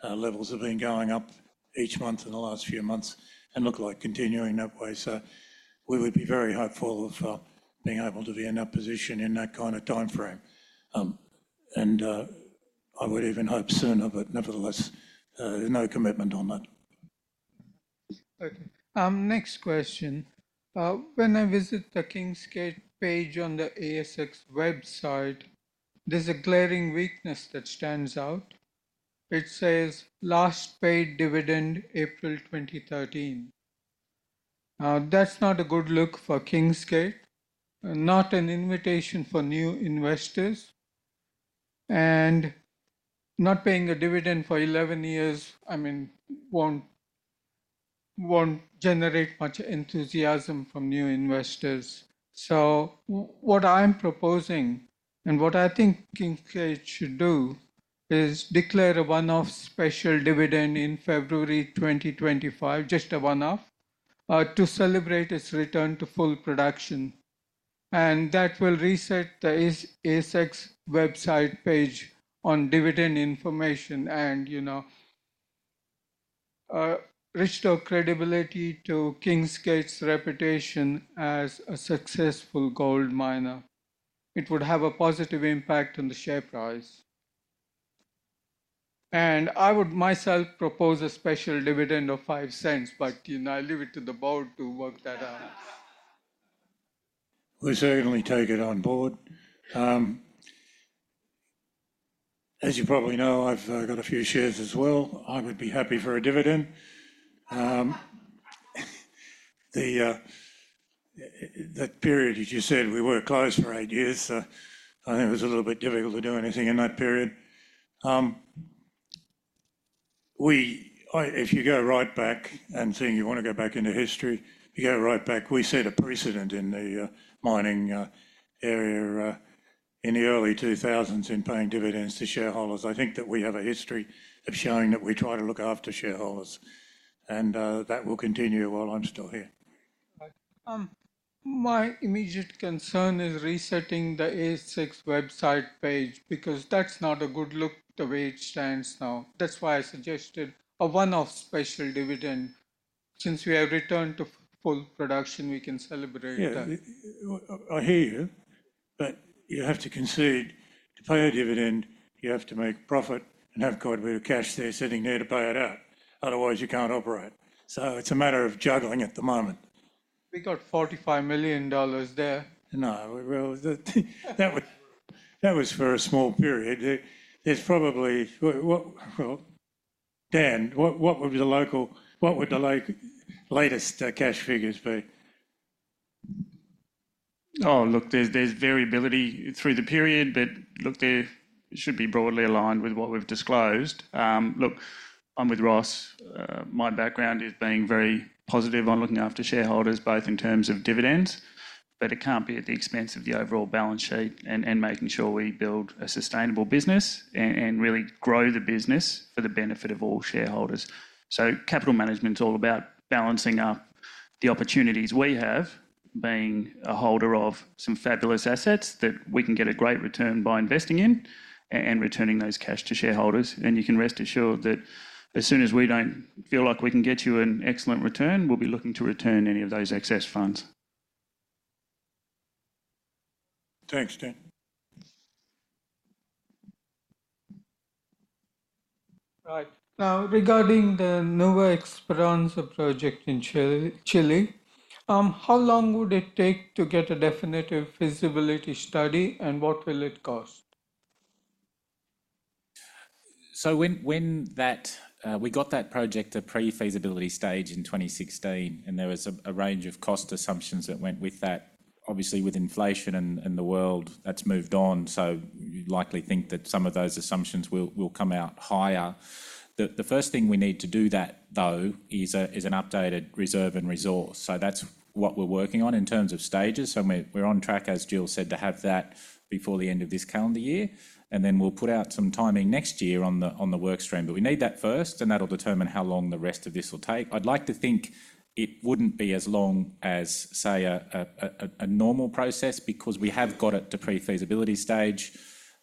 levels have been going up each month in the last few months and look like continuing that way. We would be very hopeful of being able to be in that position in that kind of time frame. I would even hope sooner, but nevertheless, no commitment on that. Next question. When I visit the Kingsgate page on the ASX website, there's a glaring weakness that stands out. It says, last paid dividend, April 2013. Now, that's not a good look for Kingsgate. Not an invitation for new investors. And not paying a dividend for 11 years, I mean, won't generate much enthusiasm from new investors. So what I'm proposing and what I think Kingsgate should do is declare a one-off special dividend in February 2025, just a one-off, to celebrate its return to full production. And that will reset the ASX website page on dividend information and, you know, restore credibility to Kingsgate's reputation as a successful gold miner. It would have a positive impact on the share price. And I would myself propose a special dividend of 0.05, but, you know, I leave it to the Board to work that out. We certainly take it on Board. As you probably know, I've got a few shares as well. I would be happy for a dividend. That period, as you said, we were closed for eight years. I think it was a little bit difficult to do anything in that period. If you go right back and think you want to go back into history, if you go right back, we set a precedent in the mining area in the early 2000s in paying dividends to shareholders. I think that we have a history of showing that we try to look after shareholders. And that will continue while I'm still here. My immediate concern is resetting the ASX website page because that's not a good look the way it stands now. That's why I suggested a one-off special dividend. Since we have returned to full production, we can celebrate that. I hear. But you have to consider, to pay a dividend, you have to make profit and have quite a bit of cash there sitting there to pay it out. Otherwise, you can't operate. So it's a matter of juggling at the moment. We got $45 million there. No, that was for a small period. There's probably, well, Dan, what would the latest cash figures be? Oh, look, there's variability through the period, but look, they should be broadly aligned with what we've disclosed. Look, I'm with Ross. My background is being very positive on looking after shareholders, both in terms of dividends, but it can't be at the expense of the overall balance sheet and making sure we build a sustainable business and really grow the business for the benefit of all shareholders. So capital management is all about balancing up the opportunities we have being a holder of some fabulous assets that we can get a great return by investing in and returning those cash to shareholders. And you can rest assured that as soon as we don't feel like we can get you an excellent return, we'll be looking to return any of those excess funds. Thanks, Dan. Right. Now, regarding the Nueva Esperanza project in Chile, how long would it take to get a definitive feasibility study and what will it cost? So when we got that project, the pre-feasibility stage in 2016, and there was a range of cost assumptions that went with that. Obviously, with inflation and the world, that's moved on. So you'd likely think that some of those assumptions will come out higher. The first thing we need to do that, though, is an updated reserve and resource. So that's what we're working on in terms of stages. So we're on track, as Jill said, to have that before the end of this calendar year. And then we'll put out some timing next year on the work stream. But we need that first, and that'll determine how long the rest of this will take. I'd like to think it wouldn't be as long as, say, a normal process because we have got it to pre-feasibility stage.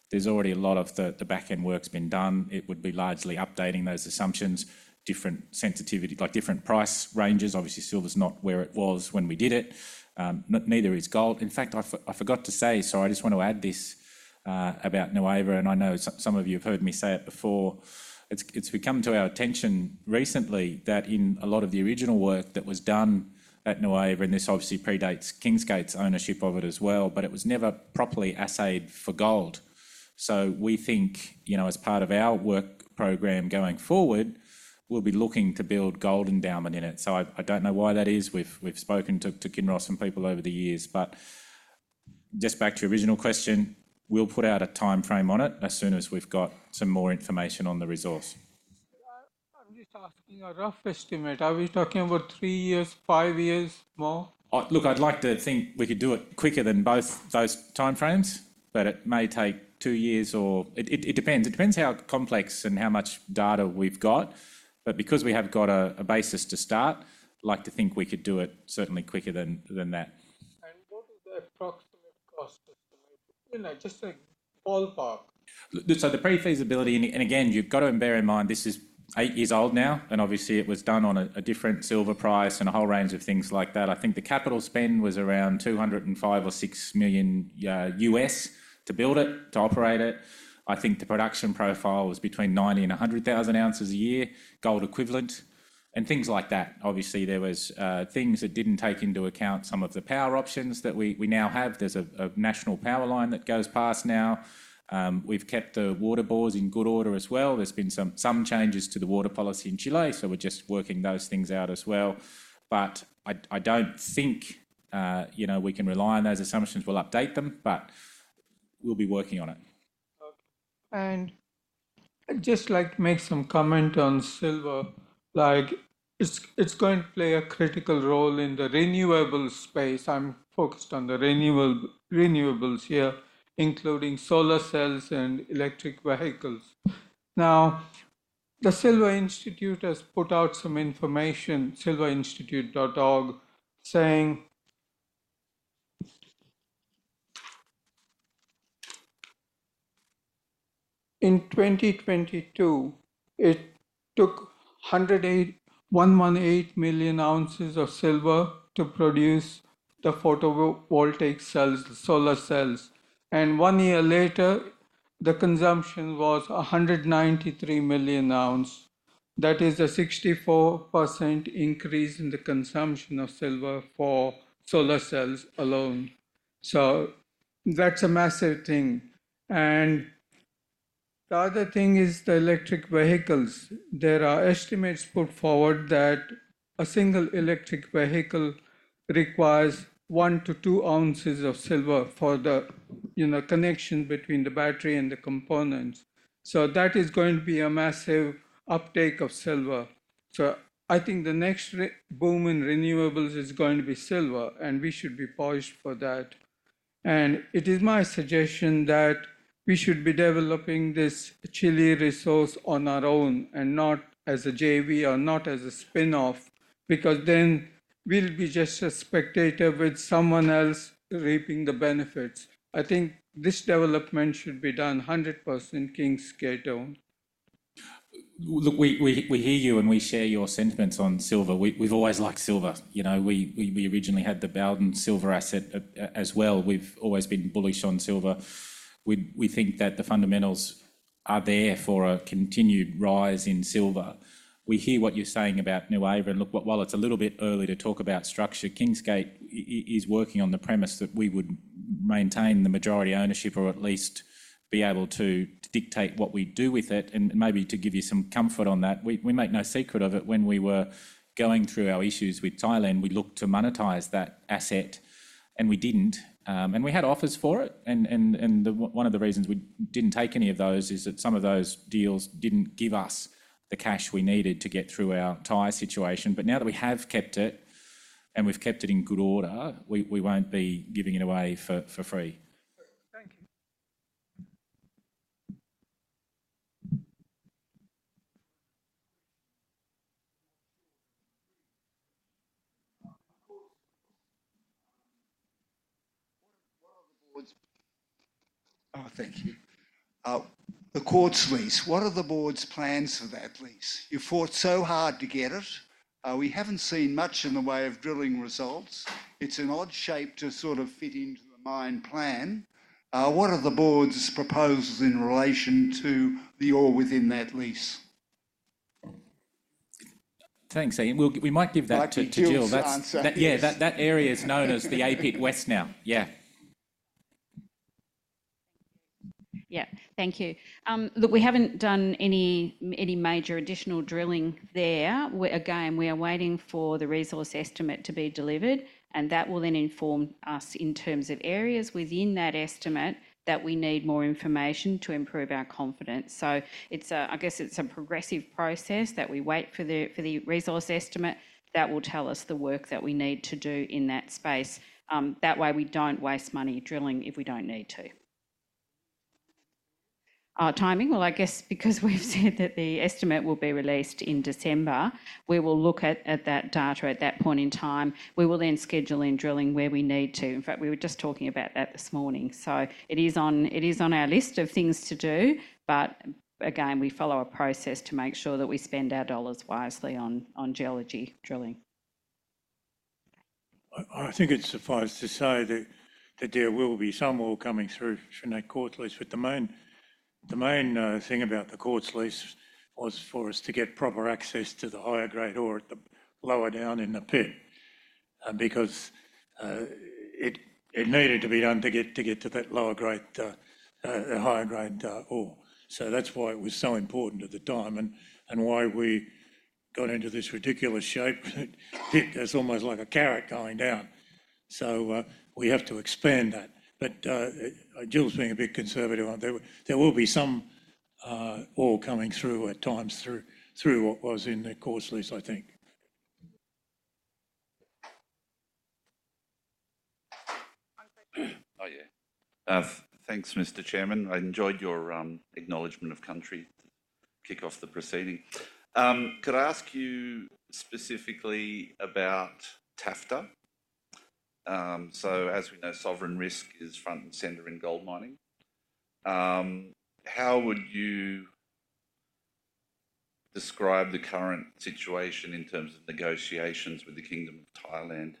There's already a lot of the backend work's been done. It would be largely updating those assumptions, different sensitivity, like different price ranges. Obviously, silver's not where it was when we did it. Neither is gold. In fact, I forgot to say, sorry, I just want to add this about Nueva Esperanza. I know some of you have heard me say it before. It's become to our attention recently that in a lot of the original work that was done at Nueva Esperanza, and this obviously predates Kingsgate's ownership of it as well, but it was never properly assayed for gold. We think, you know, as part of our work program going forward, we'll be looking to build gold endowment in it. I don't know why that is. We've spoken to Kinross and people over the years. Just back to your original question, we'll put out a timeframe on it as soon as we've got some more information on the resource. I'm just asking a rough estimate. Are we talking about three years, five years, more? Look, I'd like to think we could do it quicker than both those timeframes, but it may take two years or it depends. It depends how complex and how much data we've got. But because we have got a basis to start, I'd like to think we could do it certainly quicker than that. And what is the approximate cost estimate? Just a ballpark. So the pre-feasibility, and again, you've got to bear in mind this is eight years old now. And obviously, it was done on a different silver price and a whole range of things like that. I think the capital spend was around $205-206 million to build it, to operate it. I think the production profile was between 90 and 100,000 ounces a year, gold equivalent, and things like that. Obviously, there were things that didn't take into account some of the power options that we now have. There's a national power line that goes past now. We've kept the water boards in good order as well. There's been some changes to the water policy in Chile, so we're just working those things out as well. But I don't think, you know, we can rely on those assumptions. We'll update them, but we'll be working on it and just like make some comment on silver, like it's going to play a critical role in the renewable space. I'm focused on the renewables here, including solar cells and electric vehicles. Now, The Silver Institute has put out some information, silverinstitute.org, saying in 2022, it took 118 million ounces of silver to produce the photovoltaic cells, the solar cells and one year later, the consumption was 193 million ounces. That is a 64% increase in the consumption of silver for solar cells alone so that's a massive thing and the other thing is the electric vehicles. There are estimates put forward that a single electric vehicle requires one to two ounces of silver for the connection between the battery and the components. So that is going to be a massive uptake of silver. So I think the next boom in renewables is going to be silver, and we should be poised for that. And it is my suggestion that we should be developing this Chile resource on our own and not as a JV or not as a spinoff, because then we'll be just a spectator with someone else reaping the benefits. I think this development should be done 100% Kingsgate-owned. Look, we hear you and we share your sentiments on silver. We've always liked silver. You know, we originally had the Bowdens silver asset as well. We've always been bullish on silver. We think that the fundamentals are there for a continued rise in silver. We hear what you're saying about Nueva. Look, while it's a little bit early to talk about structure, Kingsgate is working on the premise that we would maintain the majority ownership or at least be able to dictate what we do with it. Maybe to give you some comfort on that, we make no secret of it. When we were going through our issues with Thailand, we looked to monetize that asset, and we didn't. We had offers for it. One of the reasons we didn't take any of those is that some of those deals didn't give us the cash we needed to get through our Thai situation. Now that we have kept it and we've kept it in good order, we won't be giving it away for free. Thank you. Oh, thank you. The Court's Lease. What are the Board's plans for that lease? You fought so hard to get it. We haven't seen much in the way of drilling results. It's an odd shape to sort of fit into the mine plan. What are the Board's proposals in relation to the ore within that lease? Thanks, Aidan. We might give that to Jill. Yeah, that area is known as the A Pit West now. Yeah. Yeah, thank you. Look, we haven't done any major additional drilling there. Again, we are waiting for the resource estimate to be delivered, and that will then inform us in terms of areas within that estimate that we need more information to improve our confidence. So I guess it's a progressive process that we wait for the resource estimate that will tell us the work that we need to do in that space. That way, we don't waste money drilling if we don't need to. Timing, well, I guess because we've said that the estimate will be released in December, we will look at that data at that point in time. We will then schedule in drilling where we need to. In fact, we were just talking about that this morning. So it is on our list of things to do. But again, we follow a process to make sure that we spend our dollars wisely on geology drilling. I think it suffices to say that there will be some ore coming through that court's lease. But the main thing about the court's lease was for us to get proper access to the higher grade ore at the lower down in the pit. Because it needed to be done to get to that lower grade, the higher grade ore. So that's why it was so important at the time and why we got into this ridiculous shape. It's almost like a carrot going down. So we have to expand that. But Jill's being a bit conservative on that. There will be some ore coming through at times through what was in the court's lease, I think. Oh, yeah. Thanks, Mr. Chairman. I enjoyed your acknowledgment of country to kick off the proceeding. Could I ask you specifically about TAFTA? So as we know, sovereign risk is front and center in gold mining. How would you describe the current situation in terms of negotiations with the Kingdom of Thailand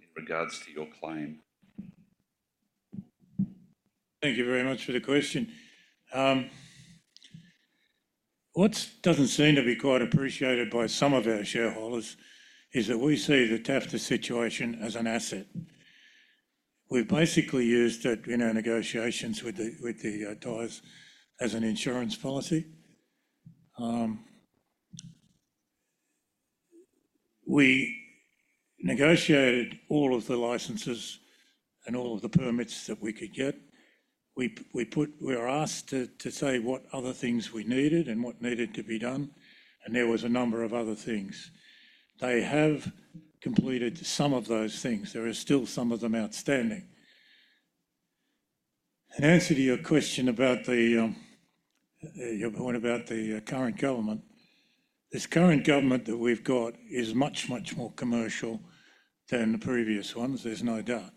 in regards to your claim? Thank you very much for the question. What doesn't seem to be quite appreciated by some of our shareholders is that we see the TAFTA situation as an asset. We've basically used it in our negotiations with the Thais as an insurance policy. We negotiated all of the licenses and all of the permits that we could get. We were asked to say what other things we needed and what needed to be done. And there was a number of other things. They have completed some of those things. There are still some of them outstanding. An answer to your question about your point about the current government, this current government that we've got is much, much more commercial than the previous ones. There's no doubt.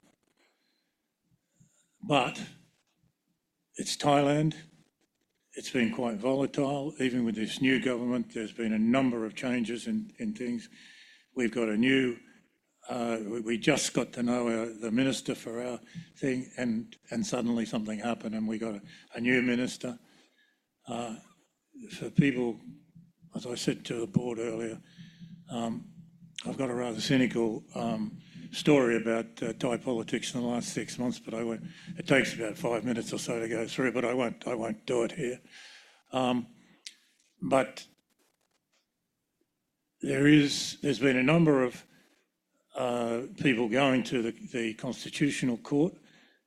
But it's Thailand. It's been quite volatile. Even with this new government, there's been a number of changes in things. We've got a new, we just got to know the minister for our thing, and suddenly something happened, and we got a new minister. For people, as I said to the Board earlier, I've got a rather cynical story about Thai politics in the last six months, but it takes about five minutes or so to go through, but I won't do it here. But there's been a number of people going to the Constitutional Court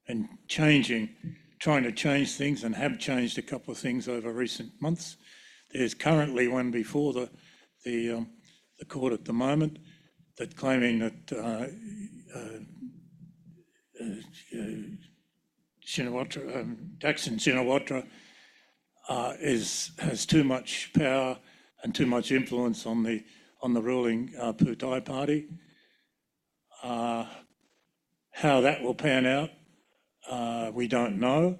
and trying to change things and have changed a couple of things over recent months. There's currently one before the court at the moment that's claiming that Thaksin Shinawatra has too much power and too much influence on the ruling Pheu Thai Party. How that will pan out, we don't know.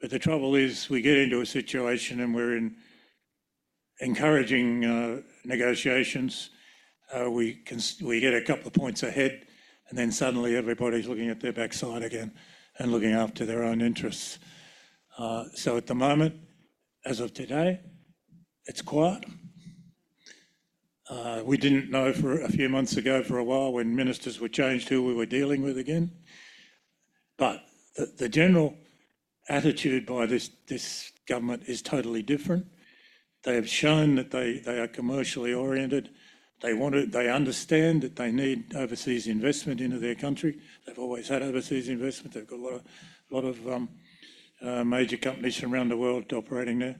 But the trouble is we get into a situation and we're encouraging negotiations. We get a couple of points ahead, and then suddenly everybody's looking at their backside again and looking after their own interests. So at the moment, as of today, it's quiet. We didn't know for a few months ago, for a while when ministers were changed, who we were dealing with again. But the general attitude by this government is totally different. They have shown that they are commercially oriented. They understand that they need overseas investment into their country. They've always had overseas investment. They've got a lot of major companies from around the world operating there.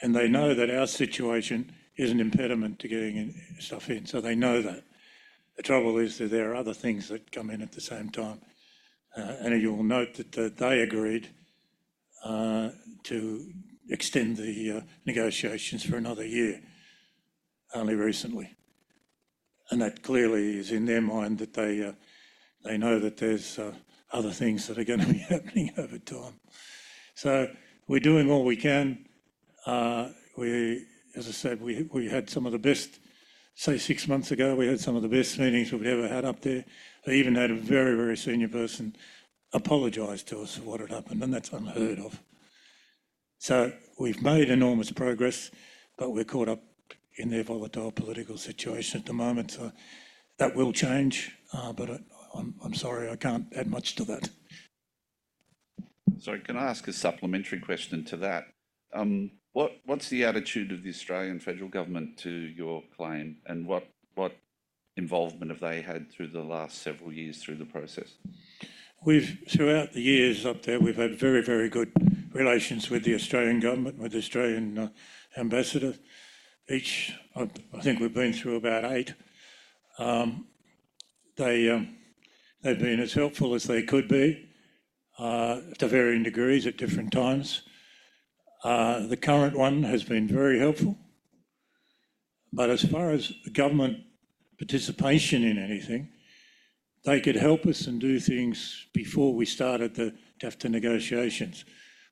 And they know that our situation is an impediment to getting stuff in. So they know that. The trouble is that there are other things that come in at the same time. And you will note that they agreed to extend the negotiations for another year, only recently. And that clearly is in their mind that they know that there's other things that are going to be happening over time. So we're doing all we can. As I said, we had some of the best, say, six months ago, we had some of the best meetings we've ever had up there. They even had a very, very senior person apologize to us for what had happened, and that's unheard of. So we've made enormous progress, but we're caught up in their volatile political situation at the moment. So that will change, but I'm sorry, I can't add much to that. Sorry, can I ask a supplementary question to that? What's the attitude of the Australian federal government to your claim? And what involvement have they had through the last several years through the process? Throughout the years up there, we've had very, very good relations with the Australian government, with the Australian ambassador. Each, I think we've been through about eight. They've been as helpful as they could be to varying degrees at different times. The current one has been very helpful. But as far as government participation in anything, they could help us and do things before we started the TAFTA negotiations.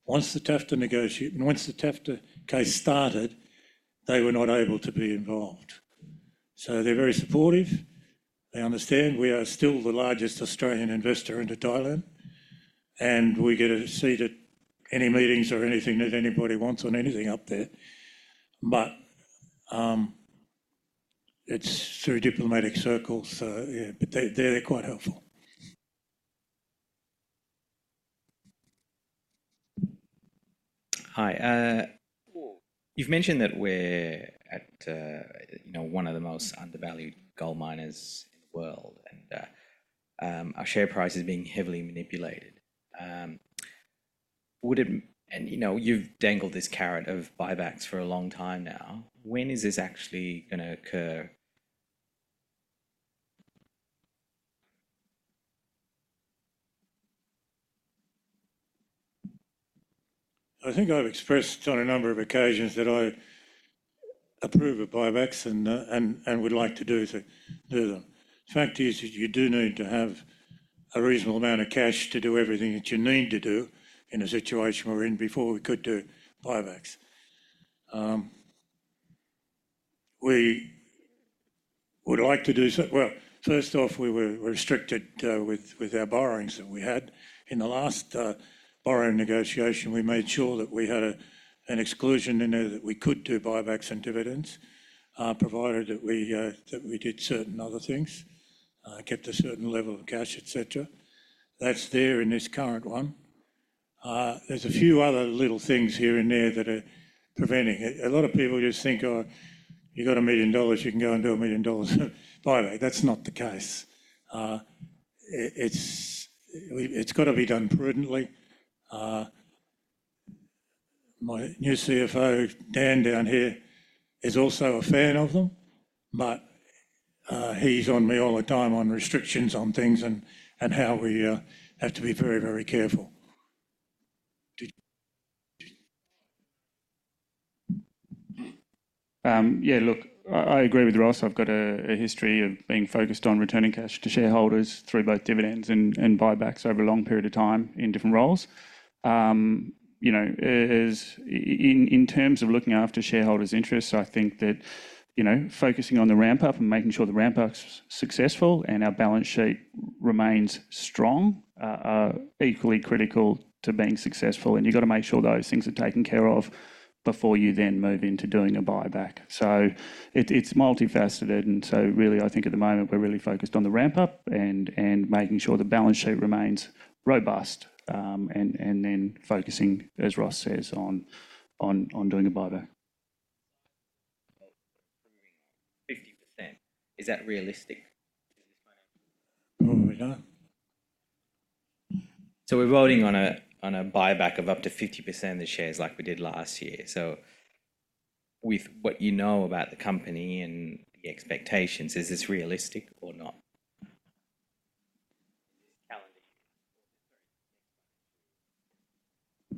Once the TAFTA case started, they were not able to be involved. So they're very supportive. They understand we are still the largest Australian investor into Thailand. And we get a seat at any meetings or anything that anybody wants on anything up there. But it's through diplomatic circles. But they're quite helpful. Hi. You've mentioned that we're at one of the most undervalued gold miners in the world, and our share price is being heavily manipulated. And you've dangled this carrot of buybacks for a long time now. When is this actually going to occur? I think I've expressed on a number of occasions that I approve of buybacks and would like to do them. The fact is that you do need to have a reasonable amount of cash to do everything that you need to do in a situation we're in before we could do buybacks. We would like to do so. Well, first off, we were restricted with our borrowings that we had. In the last borrowing negotiation, we made sure that we had an exclusion in there that we could do buybacks and dividends, provided that we did certain other things, kept a certain level of cash, etc. That's there in this current one. There's a few other little things here and there that are preventing it. A lot of people just think, Oh, you've got 1 million dollars, you can go and do 1 million dollars. By the way, that's not the case. It's got to be done prudently. My new CFO, Dan, down here is also a fan of them, but he's on me all the time on restrictions on things and how we have to be very, very careful. Yeah, look, I agree with Ross. I've got a history of being focused on returning cash to shareholders through both dividends and buybacks over a long period of time in different roles. In terms of looking after shareholders' interests, I think that focusing on the ramp-up and making sure the ramp-up's successful and our balance sheet remains strong are equally critical to being successful. And you've got to make sure those things are taken care of before you then move into doing a buyback. So it's multifaceted. And so really, I think at the moment, we're really focused on the ramp-up and making sure the balance sheet remains robust and then focusing, as Ross says, on doing a buyback. 50%. Is that realistic? So we're voting on a buyback of up to 50% of the shares like we did last year. So with what you know about the company and the expectations, is this realistic or not?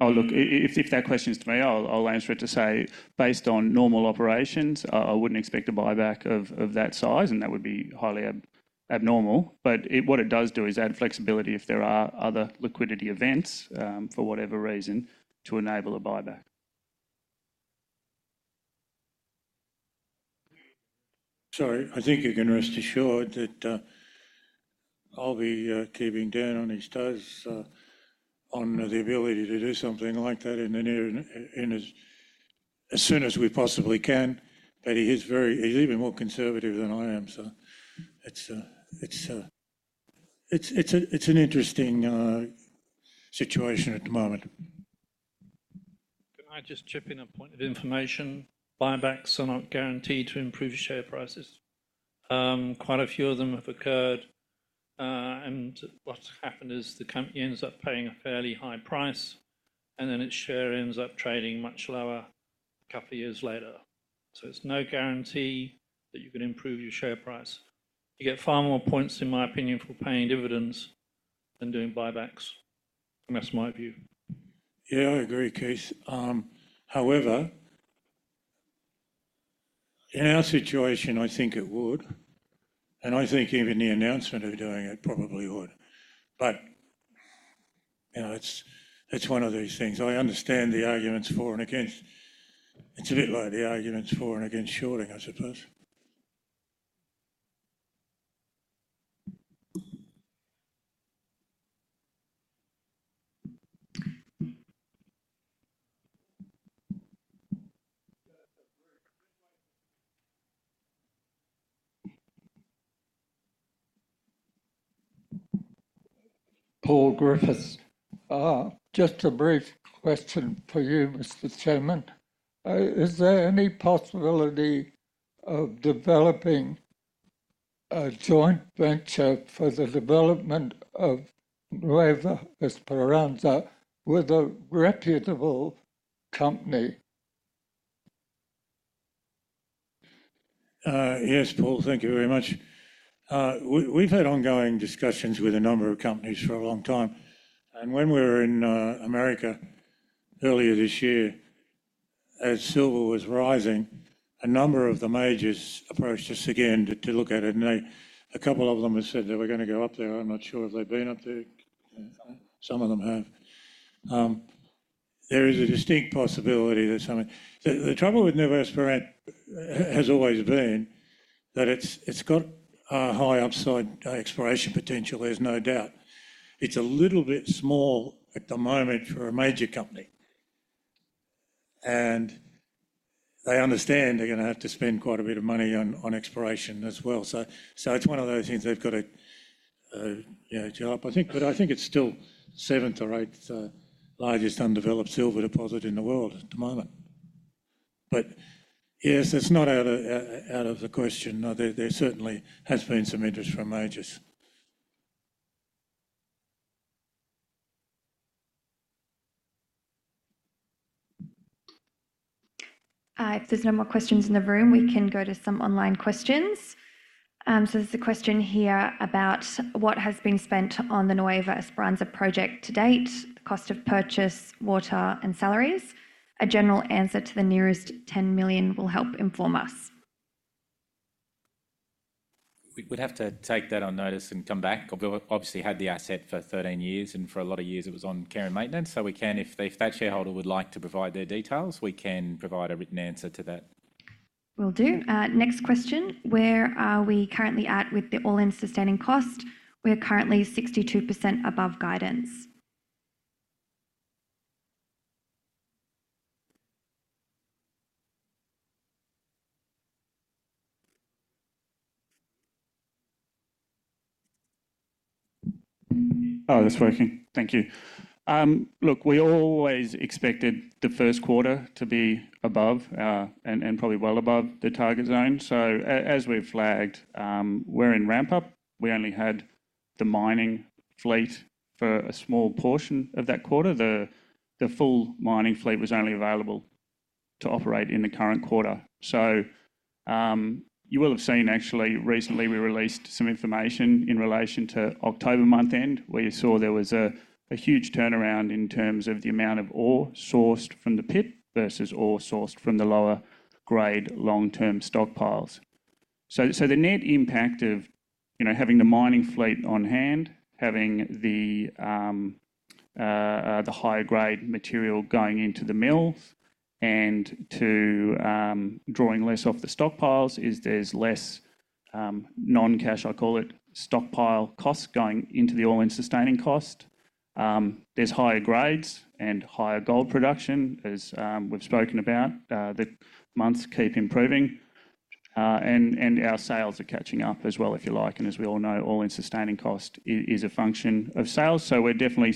Oh, look, if that question's to me, I'll answer it to say, based on normal operations, I wouldn't expect a buyback of that size, and that would be highly abnormal. But what it does do is add flexibility if there are other liquidity events for whatever reason to enable a buyback. Sorry, I think you can rest assured that I'll be keeping Dan on his toes on the ability to do something like that in the near as soon as we possibly can. But he's even more conservative than I am. So it's an interesting situation at the moment. Can I just chip in a point of information? Buybacks are not guaranteed to improve share prices. Quite a few of them have occurred. And what's happened is the company ends up paying a fairly high price, and then its share ends up trading much lower a couple of years later. So it's no guarantee that you can improve your share price. You get far more points, in my opinion, for paying dividends than doing buybacks. That's my view. Yeah, I agree, Keith. However, in our situation, I think it would. And I think even the announcement of doing it probably would. But it's one of these things. I understand the arguments for and against. It's a bit like the arguments for and against shorting, I suppose. Paul Griffiths. Just a brief question for you, Mr. Chairman. Is there any possibility of developing a joint venture for the development of Nueva Esperanza with a reputable company? Yes, Paul, thank you very much. We've had ongoing discussions with a number of companies for a long time. And when we were in America earlier this year, as silver was rising, a number of the majors approached us again to look at it. And a couple of them have said they were going to go up there. I'm not sure if they've been up there. Some of them have. There is a distinct possibility that something. The trouble with Nueva Esperanza has always been that it's got a high upside exploration potential. There's no doubt. It's a little bit small at the moment for a major company. And they understand they're going to have to spend quite a bit of money on exploration as well. So it's one of those things they've got to develop, I think. But I think it's still seventh or eighth largest undeveloped silver deposit in the world at the moment. But yes, it's not out of the question. There certainly has been some interest from majors. If there's no more questions in the room, we can go to some online questions. So there's a question here about what has been spent on the Nueva Esperanza project to date, the cost of purchase, water, and salaries. A general answer to the nearest 10 million will help inform us. We'd have to take that on notice and come back. We obviously had the asset for 13 years, and for a lot of years, it was on care and maintenance. So if that shareholder would like to provide their details, we can provide a written answer to that. Will do. Next question. Where are we currently at with the all-in sustaining cost? We're currently 62% above guidance. Oh, that's working. Thank you. Look, we always expected the first quarter to be above and probably well above the target zone. So as we've flagged, we're in ramp-up. We only had the mining fleet for a small portion of that quarter. The full mining fleet was only available to operate in the current quarter. So you will have seen, actually, recently we released some information in relation to October month end, where you saw there was a huge turnaround in terms of the amount of ore sourced from the pit versus ore sourced from the lower-grade long-term stockpiles. So the net impact of having the mining fleet on hand, having the higher-grade material going into the mill, and drawing less off the stockpiles is there's less non-cash, I call it, stockpile costs going into the All-in Sustaining Cost. There's higher grades and higher gold production, as we've spoken about. The months keep improving. And our sales are catching up as well, if you like. And as we all know, All-in Sustaining Cost is a function of sales. So we're definitely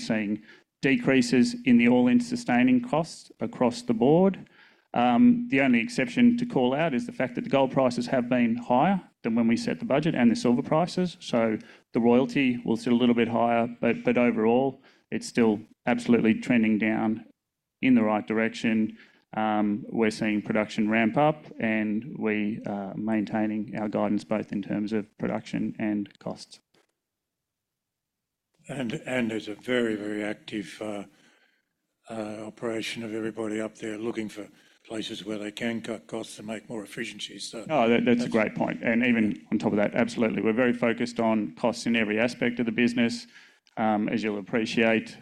seeing decreases in the All-in Sustaining Cost across the Board. The only exception to call out is the fact that the gold prices have been higher than when we set the budget, and the silver prices, so the royalty will sit a little bit higher, but overall, it's still absolutely trending down in the right direction. We're seeing production ramp up, and we are maintaining our guidance both in terms of production and costs. And there's a very, very active operation of everybody up there looking for places where they can cut costs and make more efficiencies. No, that's a great point, and even on top of that, absolutely. We're very focused on costs in every aspect of the business. As you'll appreciate,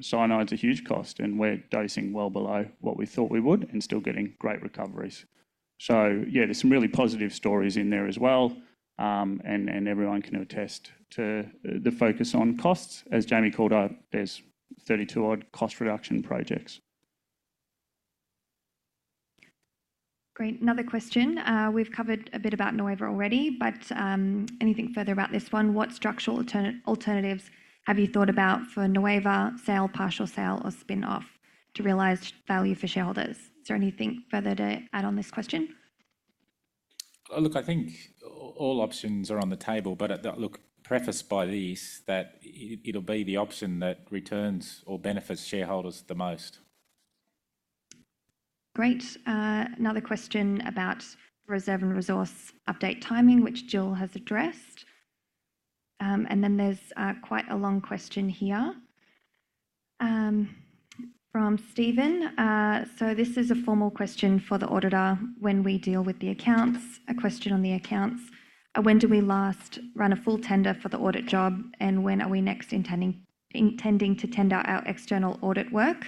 cyanide's a huge cost, and we're dosing well below what we thought we would and still getting great recoveries, so yeah, there's some really positive stories in there as well. And everyone can attest to the focus on costs. As Jamie called out, there's 32-odd cost reduction projects. Great. Another question. We've covered a bit about Nueva already, but anything further about this one? What structural alternatives have you thought about for Nueva, sale, partial sale, or spin-off to realize value for shareholders? Is there anything further to add on this question? Look, I think all options are on the table, but look, prefaced by these, that it'll be the option that returns or benefits shareholders the most. Great. Another question about reserve and resource update timing, which Jill has addressed. And then there's quite a long question here from Stephen. So this is a formal question for the auditor when we deal with the accounts. A question on the accounts. When do we last run a full tender for the audit job, and when are we next intending to tender our external audit work,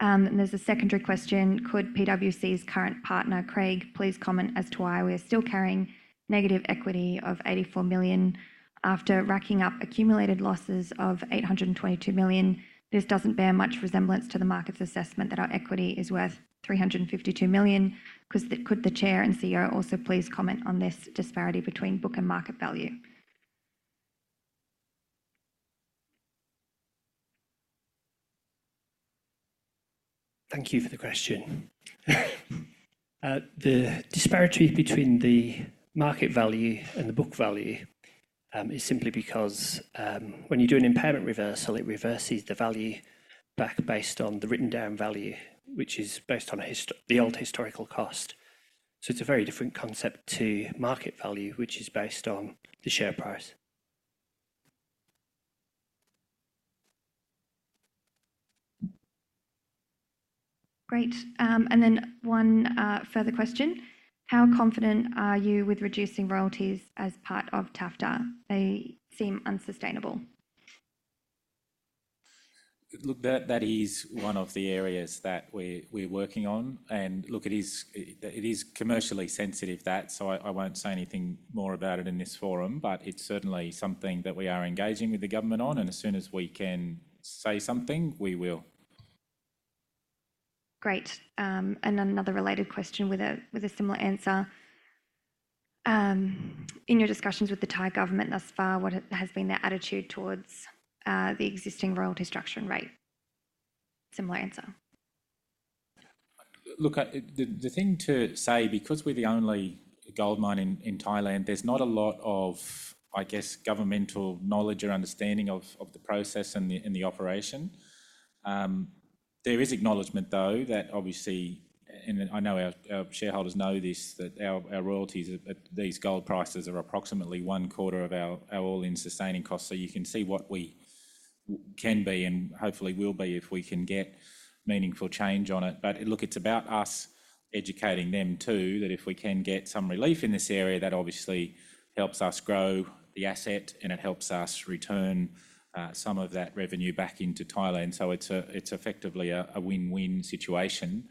and there's a secondary question? Could PwC's current partner, Craig, please comment as to why we are still carrying negative equity of 84 million after racking up accumulated losses of 822 million? This doesn't bear much resemblance to the market's assessment that our equity is worth 352 million. Could the Chair and CEO also please comment on this disparity between book and market value? Thank you for the question. The disparity between the market value and the book value is simply because when you do an impairment reversal, it reverses the value back based on the written down value, which is based on the old historical cost. So it's a very different concept to market value, which is based on the share price. Great. And then one further question. How confident are you with reducing royalties as part of TAFTA? They seem unsustainable. Look, that is one of the areas that we're working on. And look, it is commercially sensitive, that. So I won't say anything more about it in this forum, but it's certainly something that we are engaging with the government on. And as soon as we can say something, we will. Great. And another related question with a similar answer. In your discussions with the Thai government thus far, what has been their attitude towards the existing royalty structure and rate? Similar answer. Look, the thing to say, because we're the only gold mine in Thailand, there's not a lot of, I guess, governmental knowledge or understanding of the process and the operation. There is acknowledgment, though, that obviously, and I know our shareholders know this, that our royalties at these gold prices are approximately one quarter of our all-in sustaining cost. So you can see what we can be and hopefully will be if we can get meaningful change on it. But look, it's about us educating them too that if we can get some relief in this area, that obviously helps us grow the asset, and it helps us return some of that revenue back into Thailand. So it's effectively a win-win situation.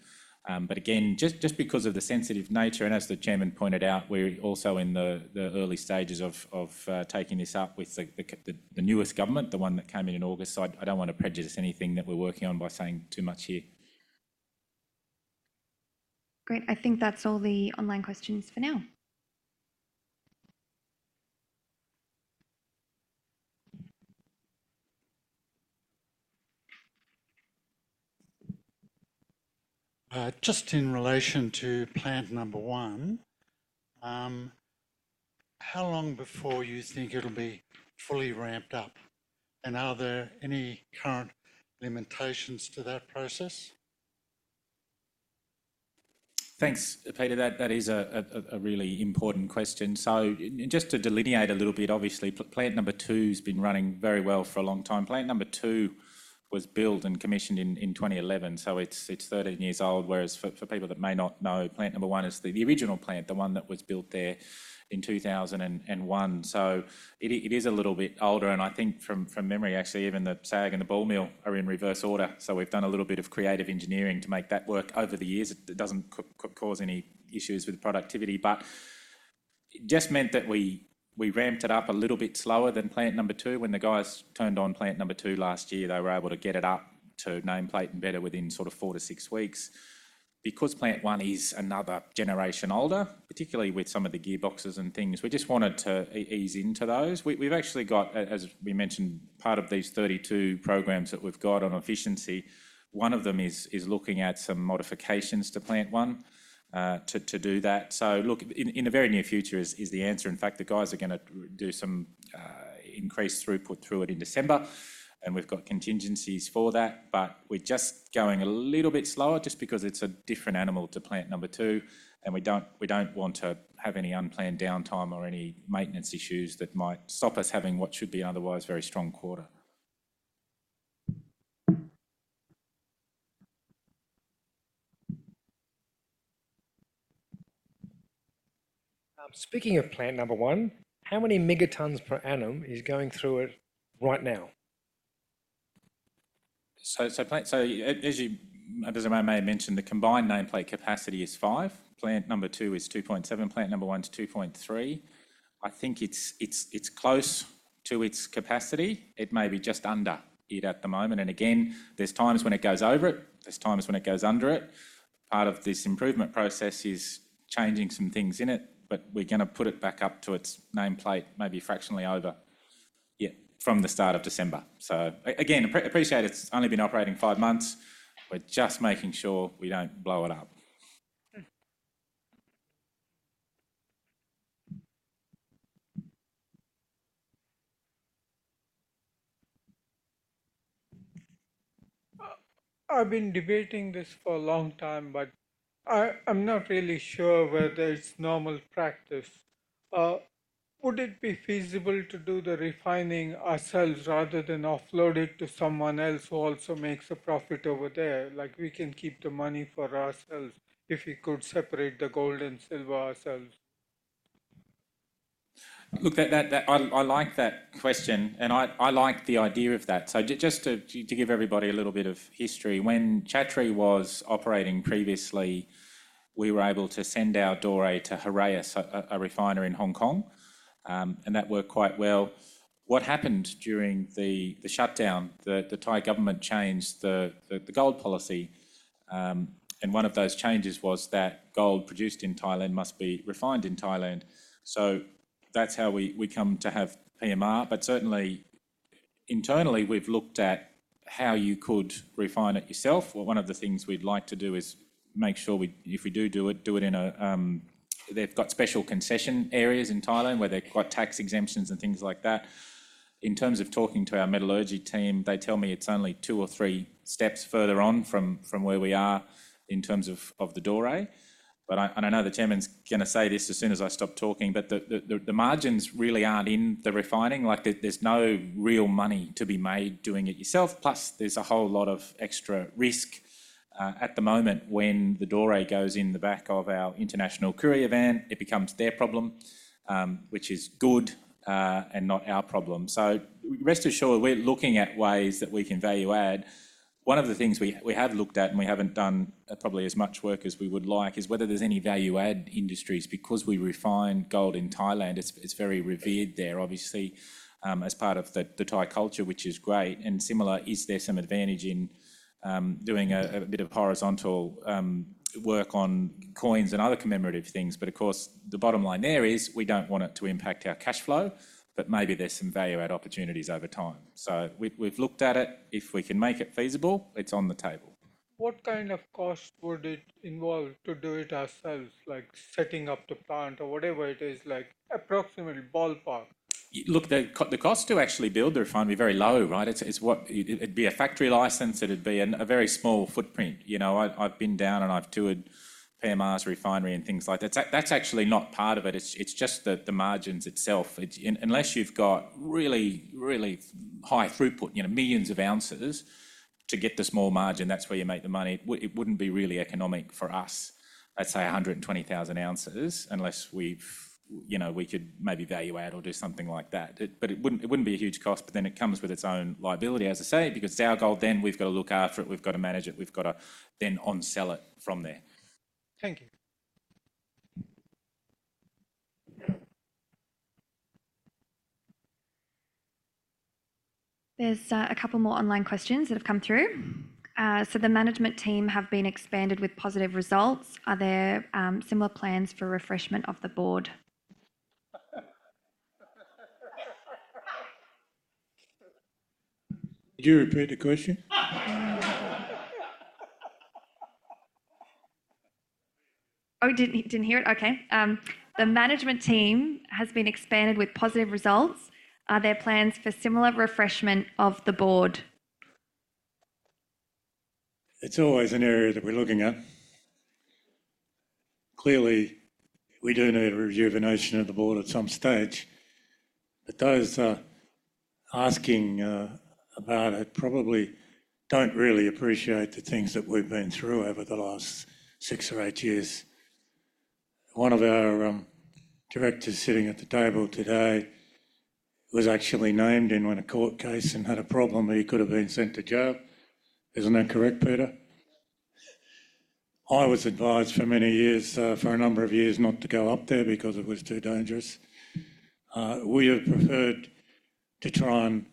But again, just because of the sensitive nature, and as the chairman pointed out, we're also in the early stages of taking this up with the newest government, the one that came in in August. So I don't want to prejudice anything that we're working on by saying too much here. Great. I think that's all the online questions for now. Just in relation to plant number one, how long before you think it'll be fully ramped up? And are there any current limitations to that process? Thanks, Peter. That is a really important question. So just to delineate a little bit, obviously, plant number two has been running very well for a long time. Plant number two was built and commissioned in 2011. So it's 13 years old. Whereas for people that may not know, plant number one is the original plant, the one that was built there in 2001. So it is a little bit older. And I think from memory, actually, even the SAG and the ball mill are in reverse order. So we've done a little bit of creative engineering to make that work over the years. It doesn't cause any issues with productivity. But it just meant that we ramped it up a little bit slower than plan number two. When the guys turned on plan number two last year, they were able to get it up to nameplate and better within sort of four to six weeks. Because plan one is another generation older, particularly with some of the gearboxes and things, we just wanted to ease into those. We've actually got, as we mentioned, part of these 32 programs that we've got on efficiency. One of them is looking at some modifications to plan one to do that. So look, in the very near future is the answer. In fact, the guys are going to do some increased throughput through it in December. And we've got contingencies for that. But we're just going a little bit slower just because it's a different animal to plan number two. We don't want to have any unplanned downtime or any maintenance issues that might stop us having what should be an otherwise very strong quarter. Speaking of plan number one, how many megatons per annum is going through it right now? So as I may have mentioned, the combined nameplate capacity is five. Plan number two is 2.7. Plan number one is 2.3. I think it's close to its capacity. It may be just under it at the moment. And again, there's times when it goes over it. There's times when it goes under it. Part of this improvement process is changing some things in it. But we're going to put it back up to its nameplate maybe fractionally over from the start of December. So again, appreciate it's only been operating five months. We're just making sure we don't blow it up. I've been debating this for a long time, but I'm not really sure whether it's normal practice. Would it be feasible to do the refining ourselves rather than offload it to someone else who also makes a profit over there? Like we can keep the money for ourselves if we could separate the gold and silver ourselves. Look, I like that question, and I like the idea of that, so just to give everybody a little bit of history, when Chatree was operating previously, we were able to send our doré to Heraeus, a refinery in Hong Kong, and that worked quite well. What happened during the shutdown? The Thai government changed the gold policy, and one of those changes was that gold produced in Thailand must be refined in Thailand, so that's how we come to have PMR. But certainly, internally, we've looked at how you could refine it yourself. One of the things we'd like to do is make sure if we do do it, do it in areas they've got special concession areas in Thailand where they've got tax exemptions and things like that. In terms of talking to our metallurgy team, they tell me it's only two or three steps further on from where we are in terms of the doré. And I know the chairman's going to say this as soon as I stop talking, but the margins really aren't in the refining. There's no real money to be made doing it yourself. Plus, there's a whole lot of extra risk at the moment when the doré goes in the back of our international courier van. It becomes their problem, which is good and not our problem. So rest assured, we're looking at ways that we can value add. One of the things we have looked at and we haven't done probably as much work as we would like is whether there's any value-add industries. Because we refine gold in Thailand, it's very revered there, obviously, as part of the Thai culture, which is great. And similar, is there some advantage in doing a bit of horizontal work on coins and other commemorative things? But of course, the bottom line there is we don't want it to impact our cash flow, but maybe there's some value-add opportunities over time. So we've looked at it. If we can make it feasible, it's on the table. What kind of cost would it involve to do it ourselves, like setting up the plant or whatever it is, like approximately ballpark? Look, the cost to actually build the refinery is very low, right? It'd be a factory license. It'd be a very small footprint. I've been down and I've toured PMR's refinery and things like that. That's actually not part of it. It's just the margins itself. Unless you've got really, really high throughput, millions of ounces to get the small margin, that's where you make the money. It wouldn't be really economic for us, let's say, 120,000 ounces unless we could maybe value add or do something like that, but it wouldn't be a huge cost, but then it comes with its own liability, as I say, because it's our gold then. We've got to look after it. We've got to manage it. We've got to then on-sell it from there. Thank you. There's a couple more online questions that have come through. The management team have been expanded with positive results. Are there similar plans for refreshment of the bo ard? Did you repeat the question? Oh, didn't hear it. Okay. The management team has been expanded with positive results. Are there plans for similar refreshment of the Board? It's always an area that we're looking at. Clearly, we do need a rejuvenation of the Board at some stage. But those asking about it probably don't really appreciate the things that we've been through over the last six or eight years. One of our directors sitting at the table today was actually named in a court case and had a problem where he could have been sent to jail. Isn't that correct, Peter? I was advised for many years, for a number of years, not to go up there because it was too dangerous. We have preferred to try and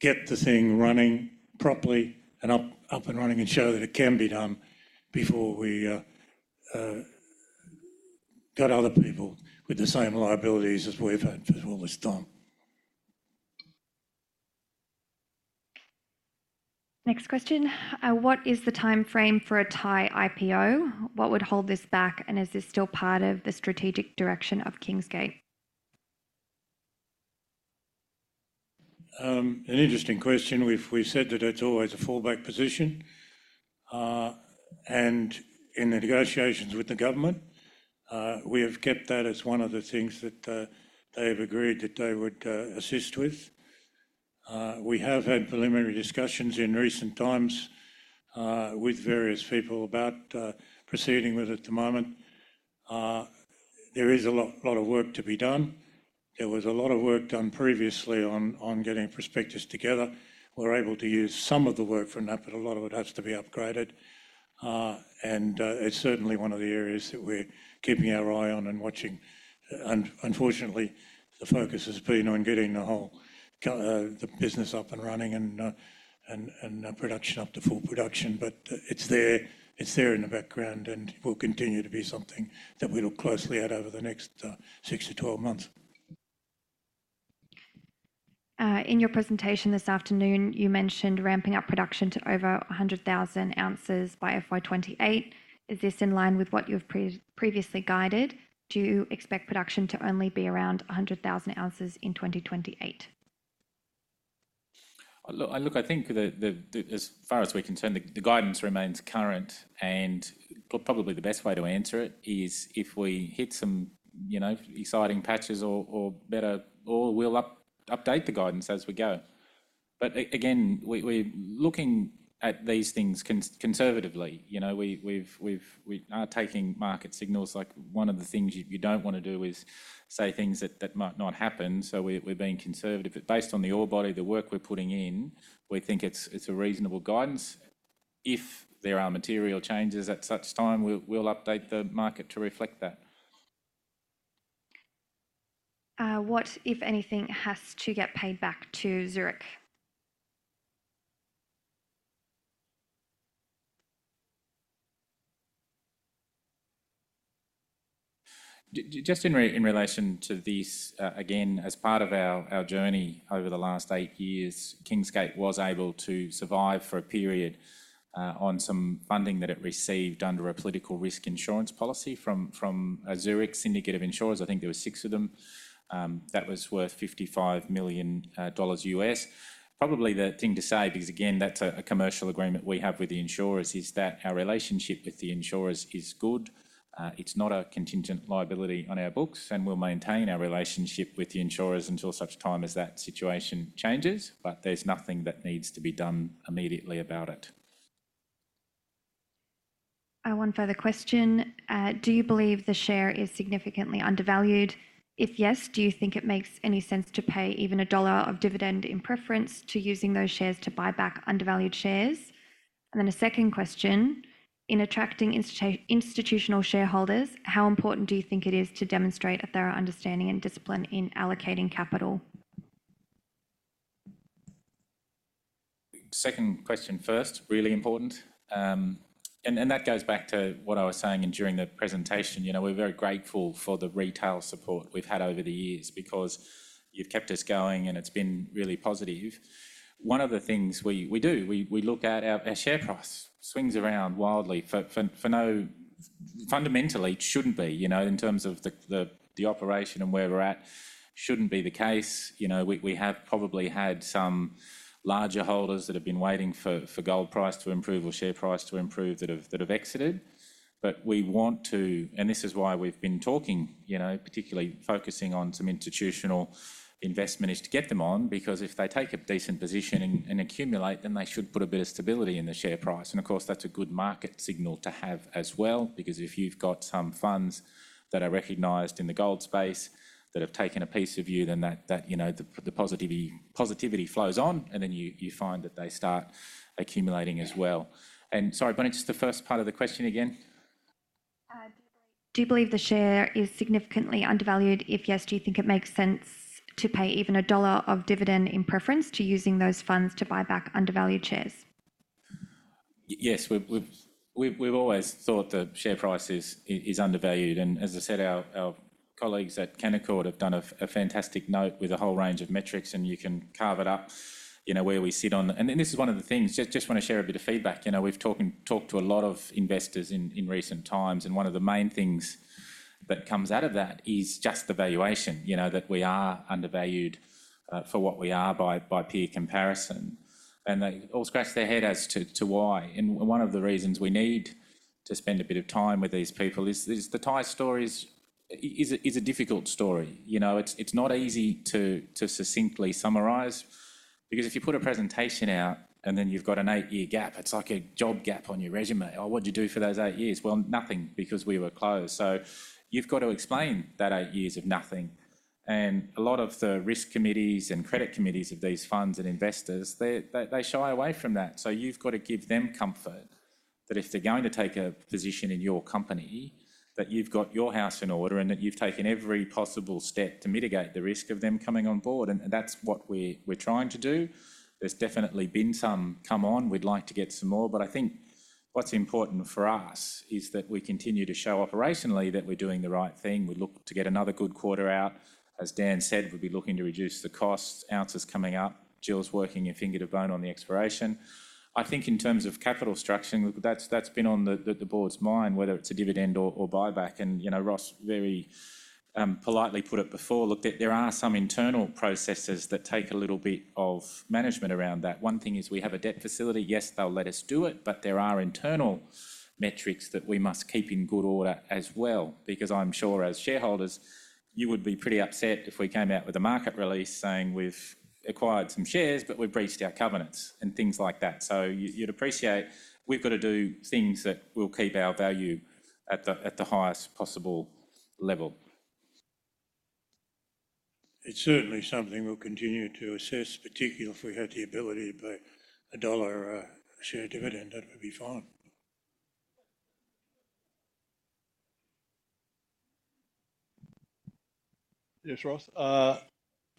get the thing running properly and up and running and show that it can be done before we got other people with the same liabilities as we've had for all this time. Next question. What is the timeframe for a Thai IPO? What would hold this back? And is this still part of the strategic direction of Kingsgate? An interesting question. We've said that it's always a fallback position. And in the negotiations with the government, we have kept that as one of the things that they have agreed that they would assist with. We have had preliminary discussions in recent times with various people about proceeding with it at the moment. There is a lot of work to be done. There was a lot of work done previously on getting prospectus together. We're able to use some of the work from that, but a lot of it has to be upgraded. It's certainly one of the areas that we're keeping our eye on and watching. Unfortunately, the focus has been on getting the whole business up and running and production up to full production. It's there in the background, and it will continue to be something that we look closely at over the next six to 12 months. In your presentation this afternoon, you mentioned ramping up production to over 100,000 ounces by FY28. Is this in line with what you have previously guided? Do you expect production to only be around 100,000 ounces in 2028? Look, I think as far as we can turn, the guidance remains current. Probably the best way to answer it is if we hit some exciting patches or better, we'll update the guidance as we go. Again, we're looking at these things conservatively. We are taking market signals. One of the things you don't want to do is say things that might not happen. We're being conservative. Based on the ore body, the work we're putting in, we think it's a reasonable guidance. If there are material changes at such time, we'll update the market to reflect that. What, if anything, has to get paid back to Zurich? Just in relation to this, again, as part of our journey over the last eight years, Kingsgate was able to survive for a period on some funding that it received under a political risk insurance policy from a Zurich syndicate of insurers. I think there were six of them. That was worth $55 million. Probably the thing to say, because again, that's a commercial agreement we have with the insurers, is that our relationship with the insurers is good. It's not a contingent liability on our books. And we'll maintain our relationship with the insurers until such time as that situation changes. But there's nothing that needs to be done immediately about it. One further question. Do you believe the share is significantly undervalued? If yes, do you think it makes any sense to pay even a dollar of dividend in preference to using those shares to buy back undervalued shares? And then a second question. In attracting institutional shareholders, how important do you think it is to demonstrate a thorough understanding and discipline in allocating capital? Second question first, really important. And that goes back to what I was saying during the presentation. We're very grateful for the retail support we've had over the years because you've kept us going, and it's been really positive. One of the things we do, we look at our share price swings around wildly for no fundamentally shouldn't be in terms of the operation and where we're at shouldn't be the case. We have probably had some larger holders that have been waiting for gold price to improve or share price to improve that have exited. But we want to, and this is why we've been talking, particularly focusing on some institutional investment is to get them on because if they take a decent position and accumulate, then they should put a bit of stability in the share price. Of course, that's a good market signal to have as well because if you've got some funds that are recognized in the gold space that have taken a piece of you, then the positivity flows on, and then you find that they start accumulating as well. Sorry, but it's just the first part of the question again. Do you believe the share is significantly undervalued? If yes, do you think it makes sense to pay even a dollar of dividend in preference to using those funds to buy back undervalued shares? Yes, we've always thought the share price is undervalued. As I said, our colleagues at Canaccord have done a fantastic note with a whole range of metrics, and you can carve it up where we sit on. This is one of the things. Just want to share a bit of feedback. We've talked to a lot of investors in recent times, and one of the main things that comes out of that is just the valuation, that we are undervalued for what we are by peer comparison, and they all scratch their head as to why. One of the reasons we need to spend a bit of time with these people is the Thai story is a difficult story. It's not easy to succinctly summarize because if you put a presentation out and then you've got an eight-year gap, it's like a job gap on your resume. What did you do for those eight years, well, nothing because we were closed, so you've got to explain that eight years of nothing, and a lot of the risk committees and credit committees of these funds and investors, they shy away from that. So you've got to give them comfort that if they're going to take a position in your company, that you've got your house in order and that you've taken every possible step to mitigate the risk of them coming on Board. And that's what we're trying to do. There's definitely been some come on. We'd like to get some more. But I think what's important for us is that we continue to show operationally that we're doing the right thing. We look to get another good quarter out. As Dan said, we'll be looking to reduce the cost. Ounces coming up. Jill's working her finger to the bone on the exploration. I think in terms of capital structuring, that's been on the Board's mind, whether it's a dividend or buyback. And Ross very politely put it before. Look, there are some internal processes that take a little bit of management around that. One thing is we have a debt facility. Yes, they'll let us do it, but there are internal metrics that we must keep in good order as well because I'm sure as shareholders, you would be pretty upset if we came out with a market release saying we've acquired some shares, but we've breached our covenants and things like that. So you'd appreciate we've got to do things that will keep our value at the highest possible level. It's certainly something we'll continue to assess, particularly if we had the ability to pay a dollar share dividend, that would be fine. Yes, Ross.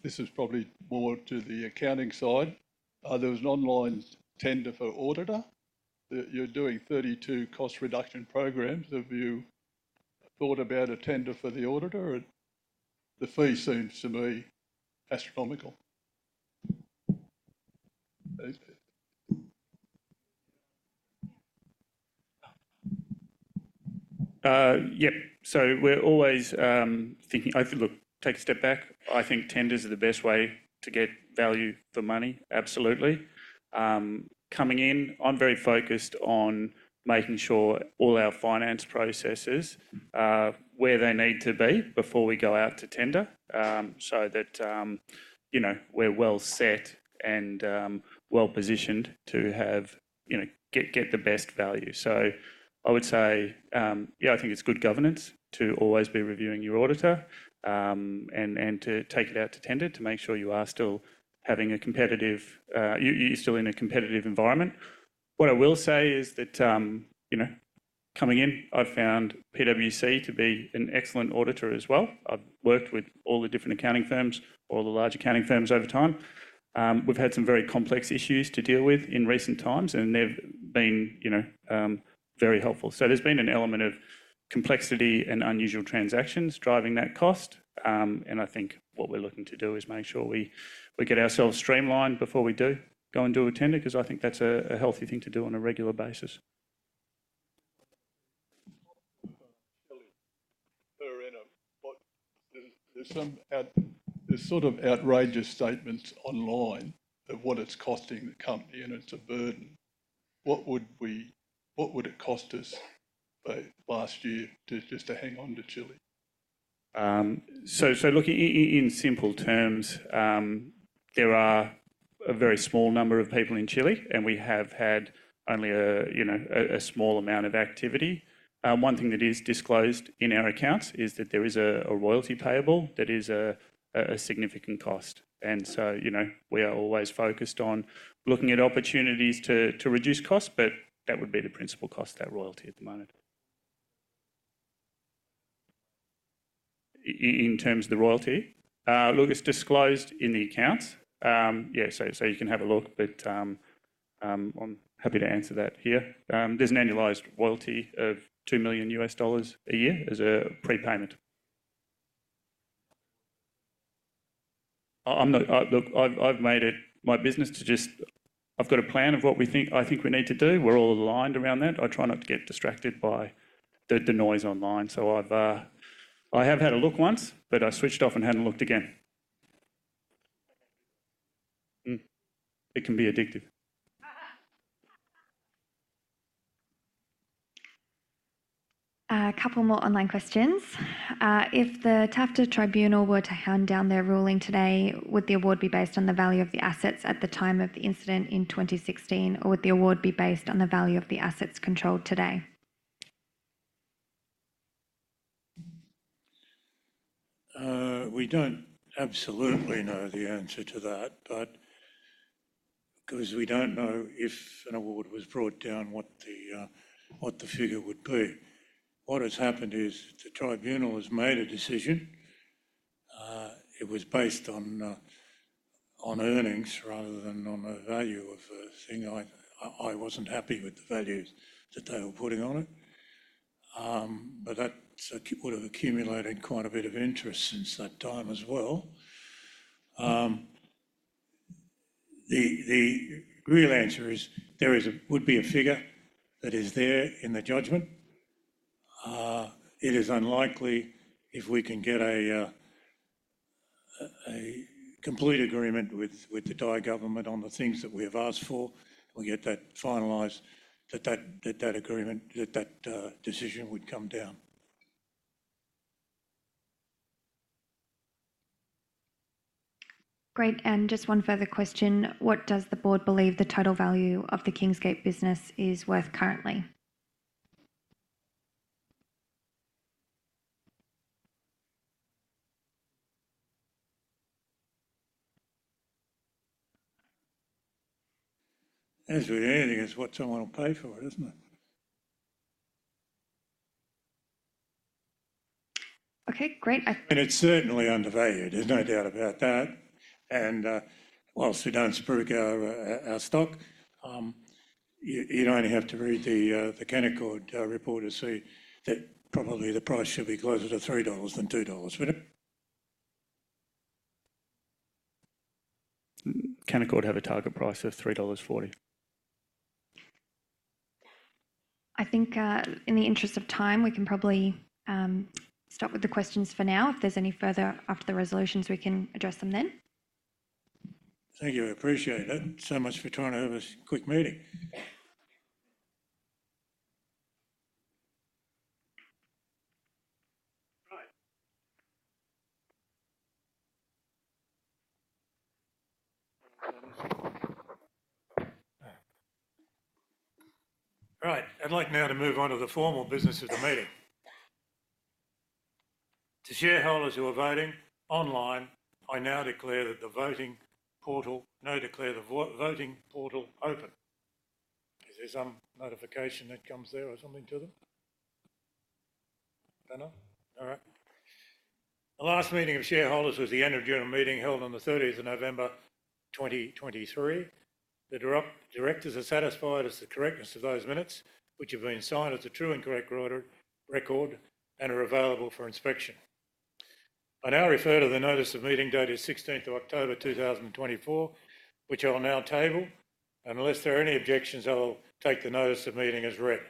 This is probably more to the accounting side. There was an online tender for auditor. You're doing 32 cost reduction programs. Have you thought about a tender for the auditor? The fee seems to me astronomical. Yep. So we're always thinking, look, take a step back. I think tenders are the best way to get value for money. Absolutely. Coming in, I'm very focused on making sure all our finance processes are where they need to be before we go out to tender so that we're well set and well positioned to get the best value. So I would say, yeah, I think it's good governance to always be reviewing your auditor and to take it out to tender to make sure you are still in a competitive environment. What I will say is that coming in, I've found PwC to be an excellent auditor as well. I've worked with all the different accounting firms, all the large accounting firms over time. We've had some very complex issues to deal with in recent times, and they've been very helpful. So there's been an element of complexity and unusual transactions driving that cost. And I think what we're looking to do is make sure we get ourselves streamlined before we do go and do a tender because I think that's a healthy thing to do on a regular basis. There's sort of outrageous statements online of what it's costing the company, and it's a burden. What would it cost us last year just to hang on to Chile? So look, in simple terms, there are a very small number of people in Chile, and we have had only a small amount of activity. One thing that is disclosed in our accounts is that there is a royalty payable that is a significant cost. And so we are always focused on looking at opportunities to reduce costs, but that would be the principal cost, that royalty at the moment. In terms of the royalty, look, it's disclosed in the accounts. Yeah, so you can have a look, but I'm happy to answer that here. There's an annualized royalty of $2 million a year as a prepayment. Look, I've made it my business to just I've got a plan of what I think we need to do. We're all aligned around that. I try not to get distracted by the noise online. So I have had a look once, but I switched off and hadn't looked again. It can be addictive. A couple more online questions. If the TAFTA Tribunal were to hand down their ruling today, would the award be based on the value of the assets at the time of the incident in 2016, or would the award be based on the value of the assets controlled today? We don't absolutely know the answer to that, but because we don't know if an award was brought down, what the figure would be. What has happened is the Tribunal has made a decision. It was based on earnings rather than on a value of a thing. I wasn't happy with the values that they were putting on it. But that would have accumulated quite a bit of interest since that time as well. The real answer is there would be a figure that is there in the judgment. It is unlikely. If we can get a complete agreement with the Thai government on the things that we have asked for and we get that finalized, that that agreement, that decision would come down. Great. And just one further question. What does the Board believe the total value of the Kingsgate business is worth currently? As with anything, it's what someone will pay for it, isn't it? Okay, great. I mean, it's certainly undervalued. There's no doubt about that. And while we don't spook our stock, you'd only have to read the Canaccord report to see that probably the price should be closer to 3 dollars than 2 dollars, wouldn't it? Canaccord have a target price of 3.40 dollars? I think in the interest of time, we can probably stop with the questions for now. If there's any further after the resolutions, we can address them then. Thank you. I appreciate it so much for trying to have a quick meeting. All right. I'd like now to move on to the formal business of the meeting. To shareholders who are voting online, I now declare the voting portal open. Is there some notification that comes there or something to them? No? All right. The last meeting of shareholders was the Annual General Meeting held on the 30th of November 2023. The directors are satisfied as to the correctness of those minutes, which have been signed as a true and correct record and are available for inspection. I now refer to the notice of meeting dated 16th of October 2024, which I'll now table. Unless there are any objections, I'll take the notice of meeting as read.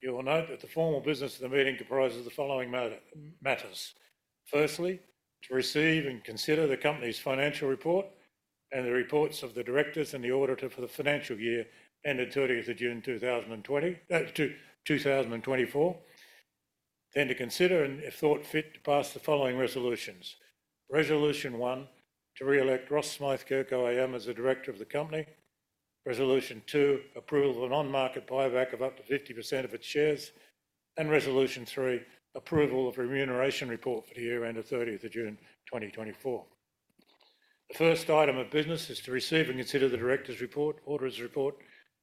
You will note that the formal business of the meeting comprises the following matters. Firstly, to receive and consider the company's financial report and the reports of the directors and the auditor for the financial year ended 30th of June 2024, then to consider and if thought fit to pass the following resolutions. Resolution 1, to re-elect Ross Smyth-Kirk as the director of the company. Resolution 2, approval of a non-market buyback of up to 50% of its shares. And Resolution 3, approval of remuneration report for the year ended 30th of June 2024. The first item of business is to receive and consider the director's report, auditor's report,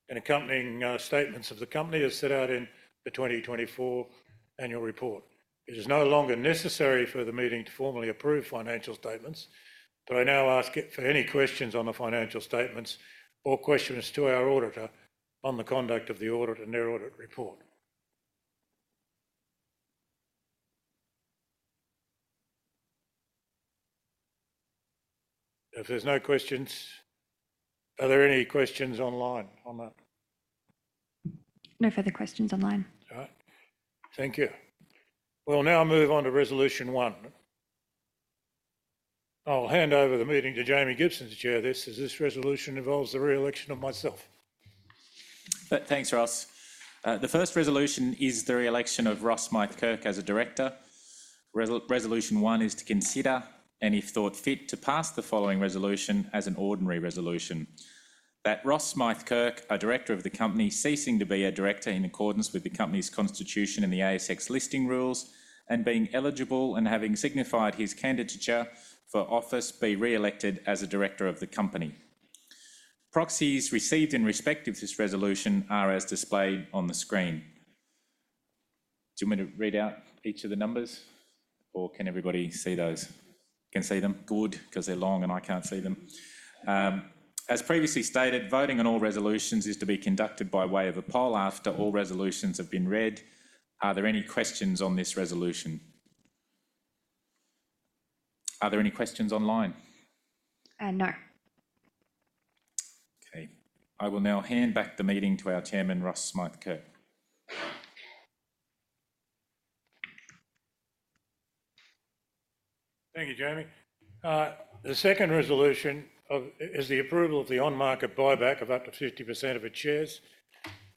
and accompanying statements of the company as set out in the 2024 annual report. It is no longer necessary for the meeting to formally approve financial statements, but I now ask for any questions on the financial statements or questions to our auditor on the conduct of the audit and their audit report. If there's no questions, are there any questions online on that? No further questions online. All right. Thank you. We'll now move on to resolution one. I'll hand over the meeting to Jamie Gibson to chair this as this resolution involves the re-election of myself. Thanks, Ross. The first resolution is the re-election of Ross Smyth-Kirk as a director. Resolution one is to consider and if thought fit to pass the following resolution as an ordinary resolution. That Ross Smyth-Kirk, a director of the company ceasing to be a director in accordance with the company's constitution and the ASX listing rules and being eligible and having signified his candidature for office be re-elected as a director of the company. Proxies received in respect of this resolution are as displayed on the screen. Do you want me to read out each of the numbers, or can everybody see those? Can see them? Good, because they're long and I can't see them. As previously stated, voting on all resolutions is to be conducted by way of a poll after all resolutions have been read. Are there any questions on this resolution? Are there any questions online? No. Okay. I will now hand back the meeting to our chairman, Ross Smyth-Kirk. Thank you, Jamie. The second resolution is the approval of the on-market buyback of up to 50% of its shares.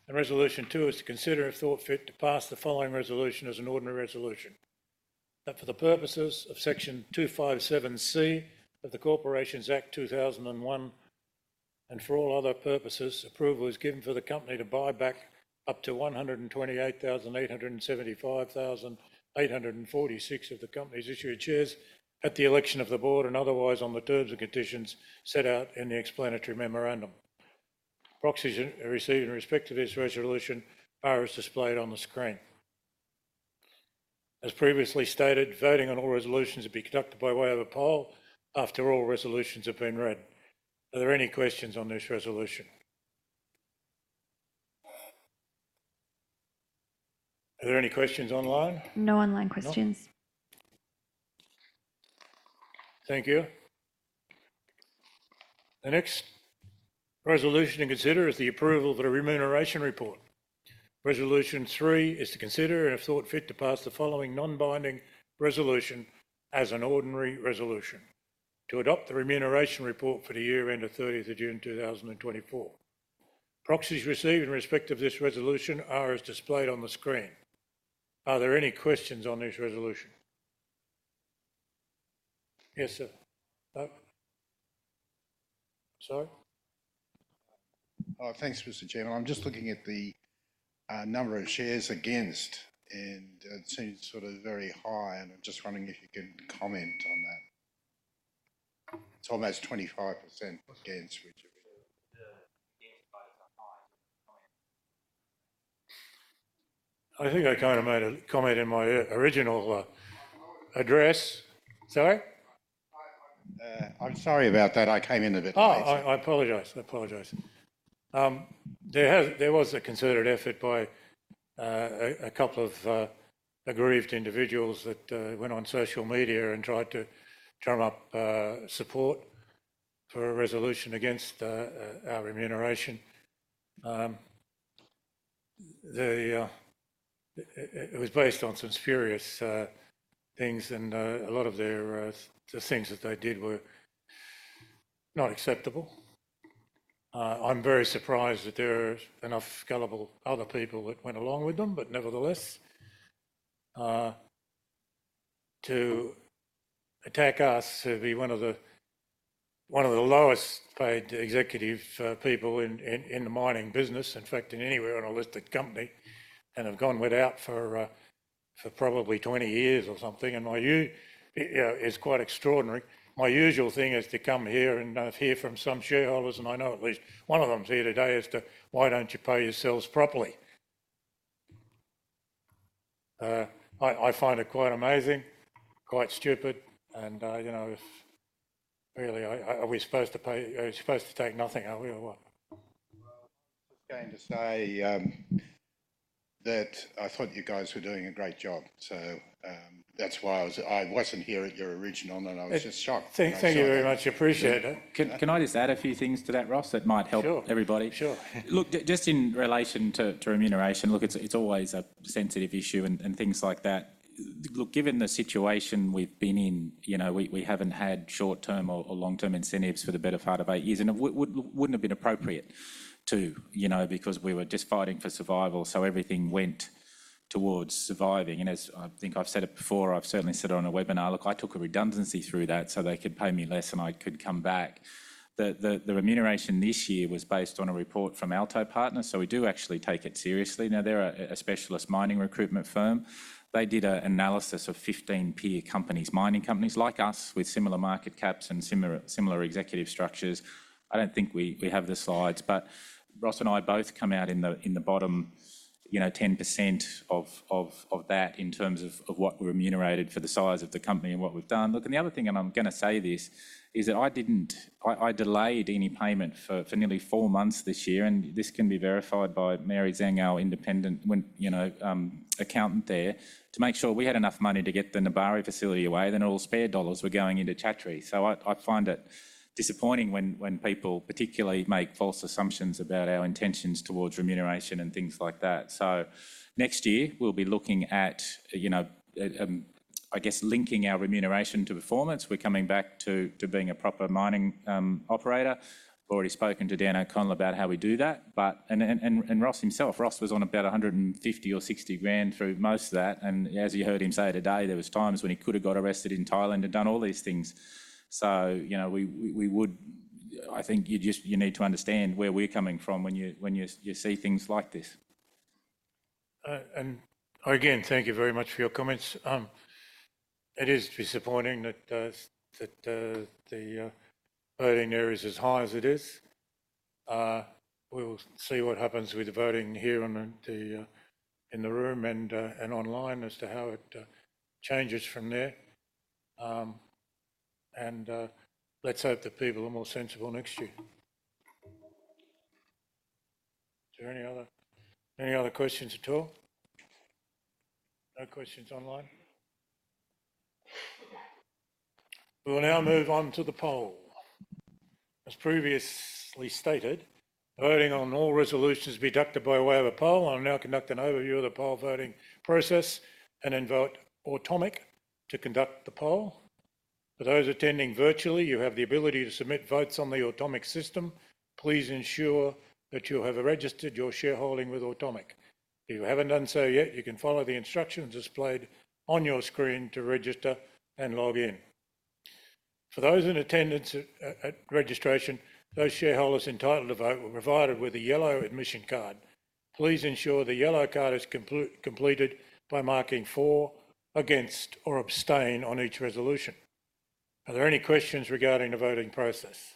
Resolution two is to consider if thought fit to pass the following resolution as an ordinary resolution. That for the purposes of section 257C of the Corporations Act 2001 and for all other purposes, approval is given for the company to buy back up to 128,875,846 of the company's issued shares at the election of the Board and otherwise on the terms and conditions set out in the explanatory memorandum. Proxies received in respect of this resolution are as displayed on the screen. As previously stated, voting on all resolutions will be conducted by way of a poll after all resolutions have been read. Are there any questions on this resolution? Are there any questions online? No online questions. Thank you. The next resolution to consider is the approval of the remuneration report. Resolution three is to consider and if thought fit to pass the following non-binding resolution as an ordinary resolution to adopt the remuneration report for the year ended 30th of June 2024. Proxies received in respect of this resolution are as displayed on the screen. Are there any questions on this resolution? Yes, sir. Sorry. Thanks, Mr. Chairman. I'm just looking at the number of shares against, and it seems sort of very high, and I'm just wondering if you can comment on that. It's almost 25% against, which I think I kind of made a comment in my original address. Sorry? I'm sorry about that. I came in a bit late. I apologise. There was a considered effort by a couple of aggrieved individuals that went on social media and tried to drum up support for a resolution against our remuneration. It was based on some spurious things, and a lot of the things that they did were not acceptable. I'm very surprised that there are enough gullible other people that went along with them, but nevertheless, to attack us, to be one of the lowest-paid executive people in the mining business, in fact, in anywhere on a listed company, and have gone without for probably 20 years or something, it's quite extraordinary. My usual thing is to come here and hear from some shareholders, and I know at least one of them's here today, as to why don't you pay yourselves properly. I find it quite amazing, quite stupid, and really, are we supposed to pay? Are we supposed to take nothing? Are we or what? I was just going to say that I thought you guys were doing a great job. So that's why I wasn't here at your original, and I was just shocked. Thank you very much. I appreciate it. Can I just add a few things to that, Ross, that might help everybody? Sure. Look, just in relation to remuneration, look, it's always a sensitive issue and things like that. Look, given the situation we've been in, we haven't had short-term or long-term incentives for the better part of eight years, and it wouldn't have been appropriate too because we were just fighting for survival. So everything went towards surviving. And as I think I've said it before, I've certainly said it on a webinar. Look, I took a redundancy through that so they could pay me less and I could come back. The remuneration this year was based on a report from AltoPartners, so we do actually take it seriously. Now, they're a specialist mining recruitment firm. They did an analysis of 15 peer companies, mining companies like us with similar market caps and similar executive structures. I don't think we have the slides, but Ross and I both come out in the bottom 10% of that in terms of what we're remunerated for the size of the company and what we've done. Look, and the other thing, and I'm going to say this, is that I delayed any payment for nearly four months this year, and this can be verified by Mary Zhang, our independent accountant there, to make sure we had enough money to get the Nebari facility away, then all spare dollars were going into Chatree. I find it disappointing when people particularly make false assumptions about our intentions towards remuneration and things like that. Next year, we'll be looking at, I guess, linking our remuneration to performance. We're coming back to being a proper mining operator. I've already spoken to Dan O'Connell about how we do that. Ross himself, Ross was on about 150 or 60 grand through most of that. As you heard him say today, there were times when he could have got arrested in Thailand and done all these things. I think you need to understand where we're coming from when you see things like this. Again, thank you very much for your comments. It is disappointing that the voting there is as high as it is. We'll see what happens with the voting here in the room and online as to how it changes from there. And let's hope that people are more sensible next year. Is there any other questions at all? No questions online? We'll now move on to the poll. As previously stated, voting on all resolutions is conducted by way of a poll. I'll now conduct an overview of the poll voting process and invite Automic to conduct the poll. For those attending virtually, you have the ability to submit votes on the Automic system. Please ensure that you have registered your shareholding with Automic. If you haven't done so yet, you can follow the instructions displayed on your screen to register and log in. For those in attendance at registration, those shareholders entitled to vote were provided with a yellow admission card. Please ensure the yellow card is completed by marking for, against, or abstain on each resolution. Are there any questions regarding the voting process?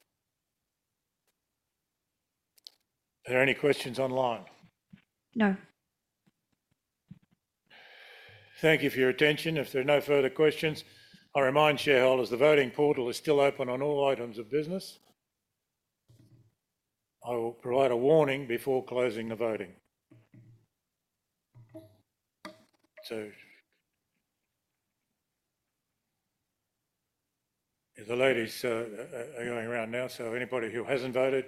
Are there any questions online? No. Thank you for your attention. If there are no further questions, I remind shareholders the voting portal is still open on all items of business. I will provide a warning before closing the voting. So the ladies are going around now, so anybody who hasn't voted,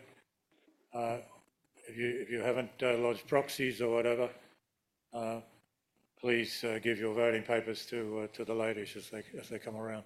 if you haven't lodged proxies or whatever, please give your voting papers to the ladies as they come around.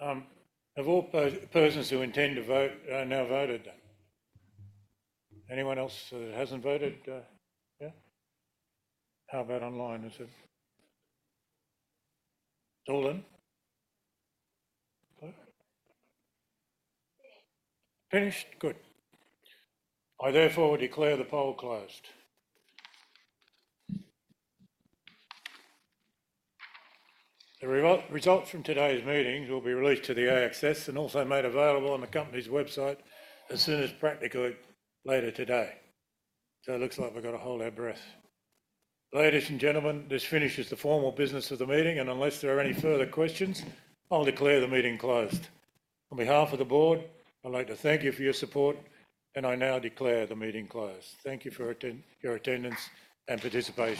Of all persons who intend to vote, I now voted. Anyone else that hasn't voted? Yeah? How about online? Is it all in? Finished? Finished? Good. I therefore declare the poll closed. The results from today's meeting will be released to the ASX and also made available on the company's website as soon as practicable later today. So it looks like we've got a whole lot of breath. Ladies and gentlemen, this finishes the formal business of the meeting, and unless there are any further questions, I'll declare the meeting closed. On behalf of the Board, I'd like to thank you for your support, and I now declare the meeting closed. Thank you for your attendance and participation.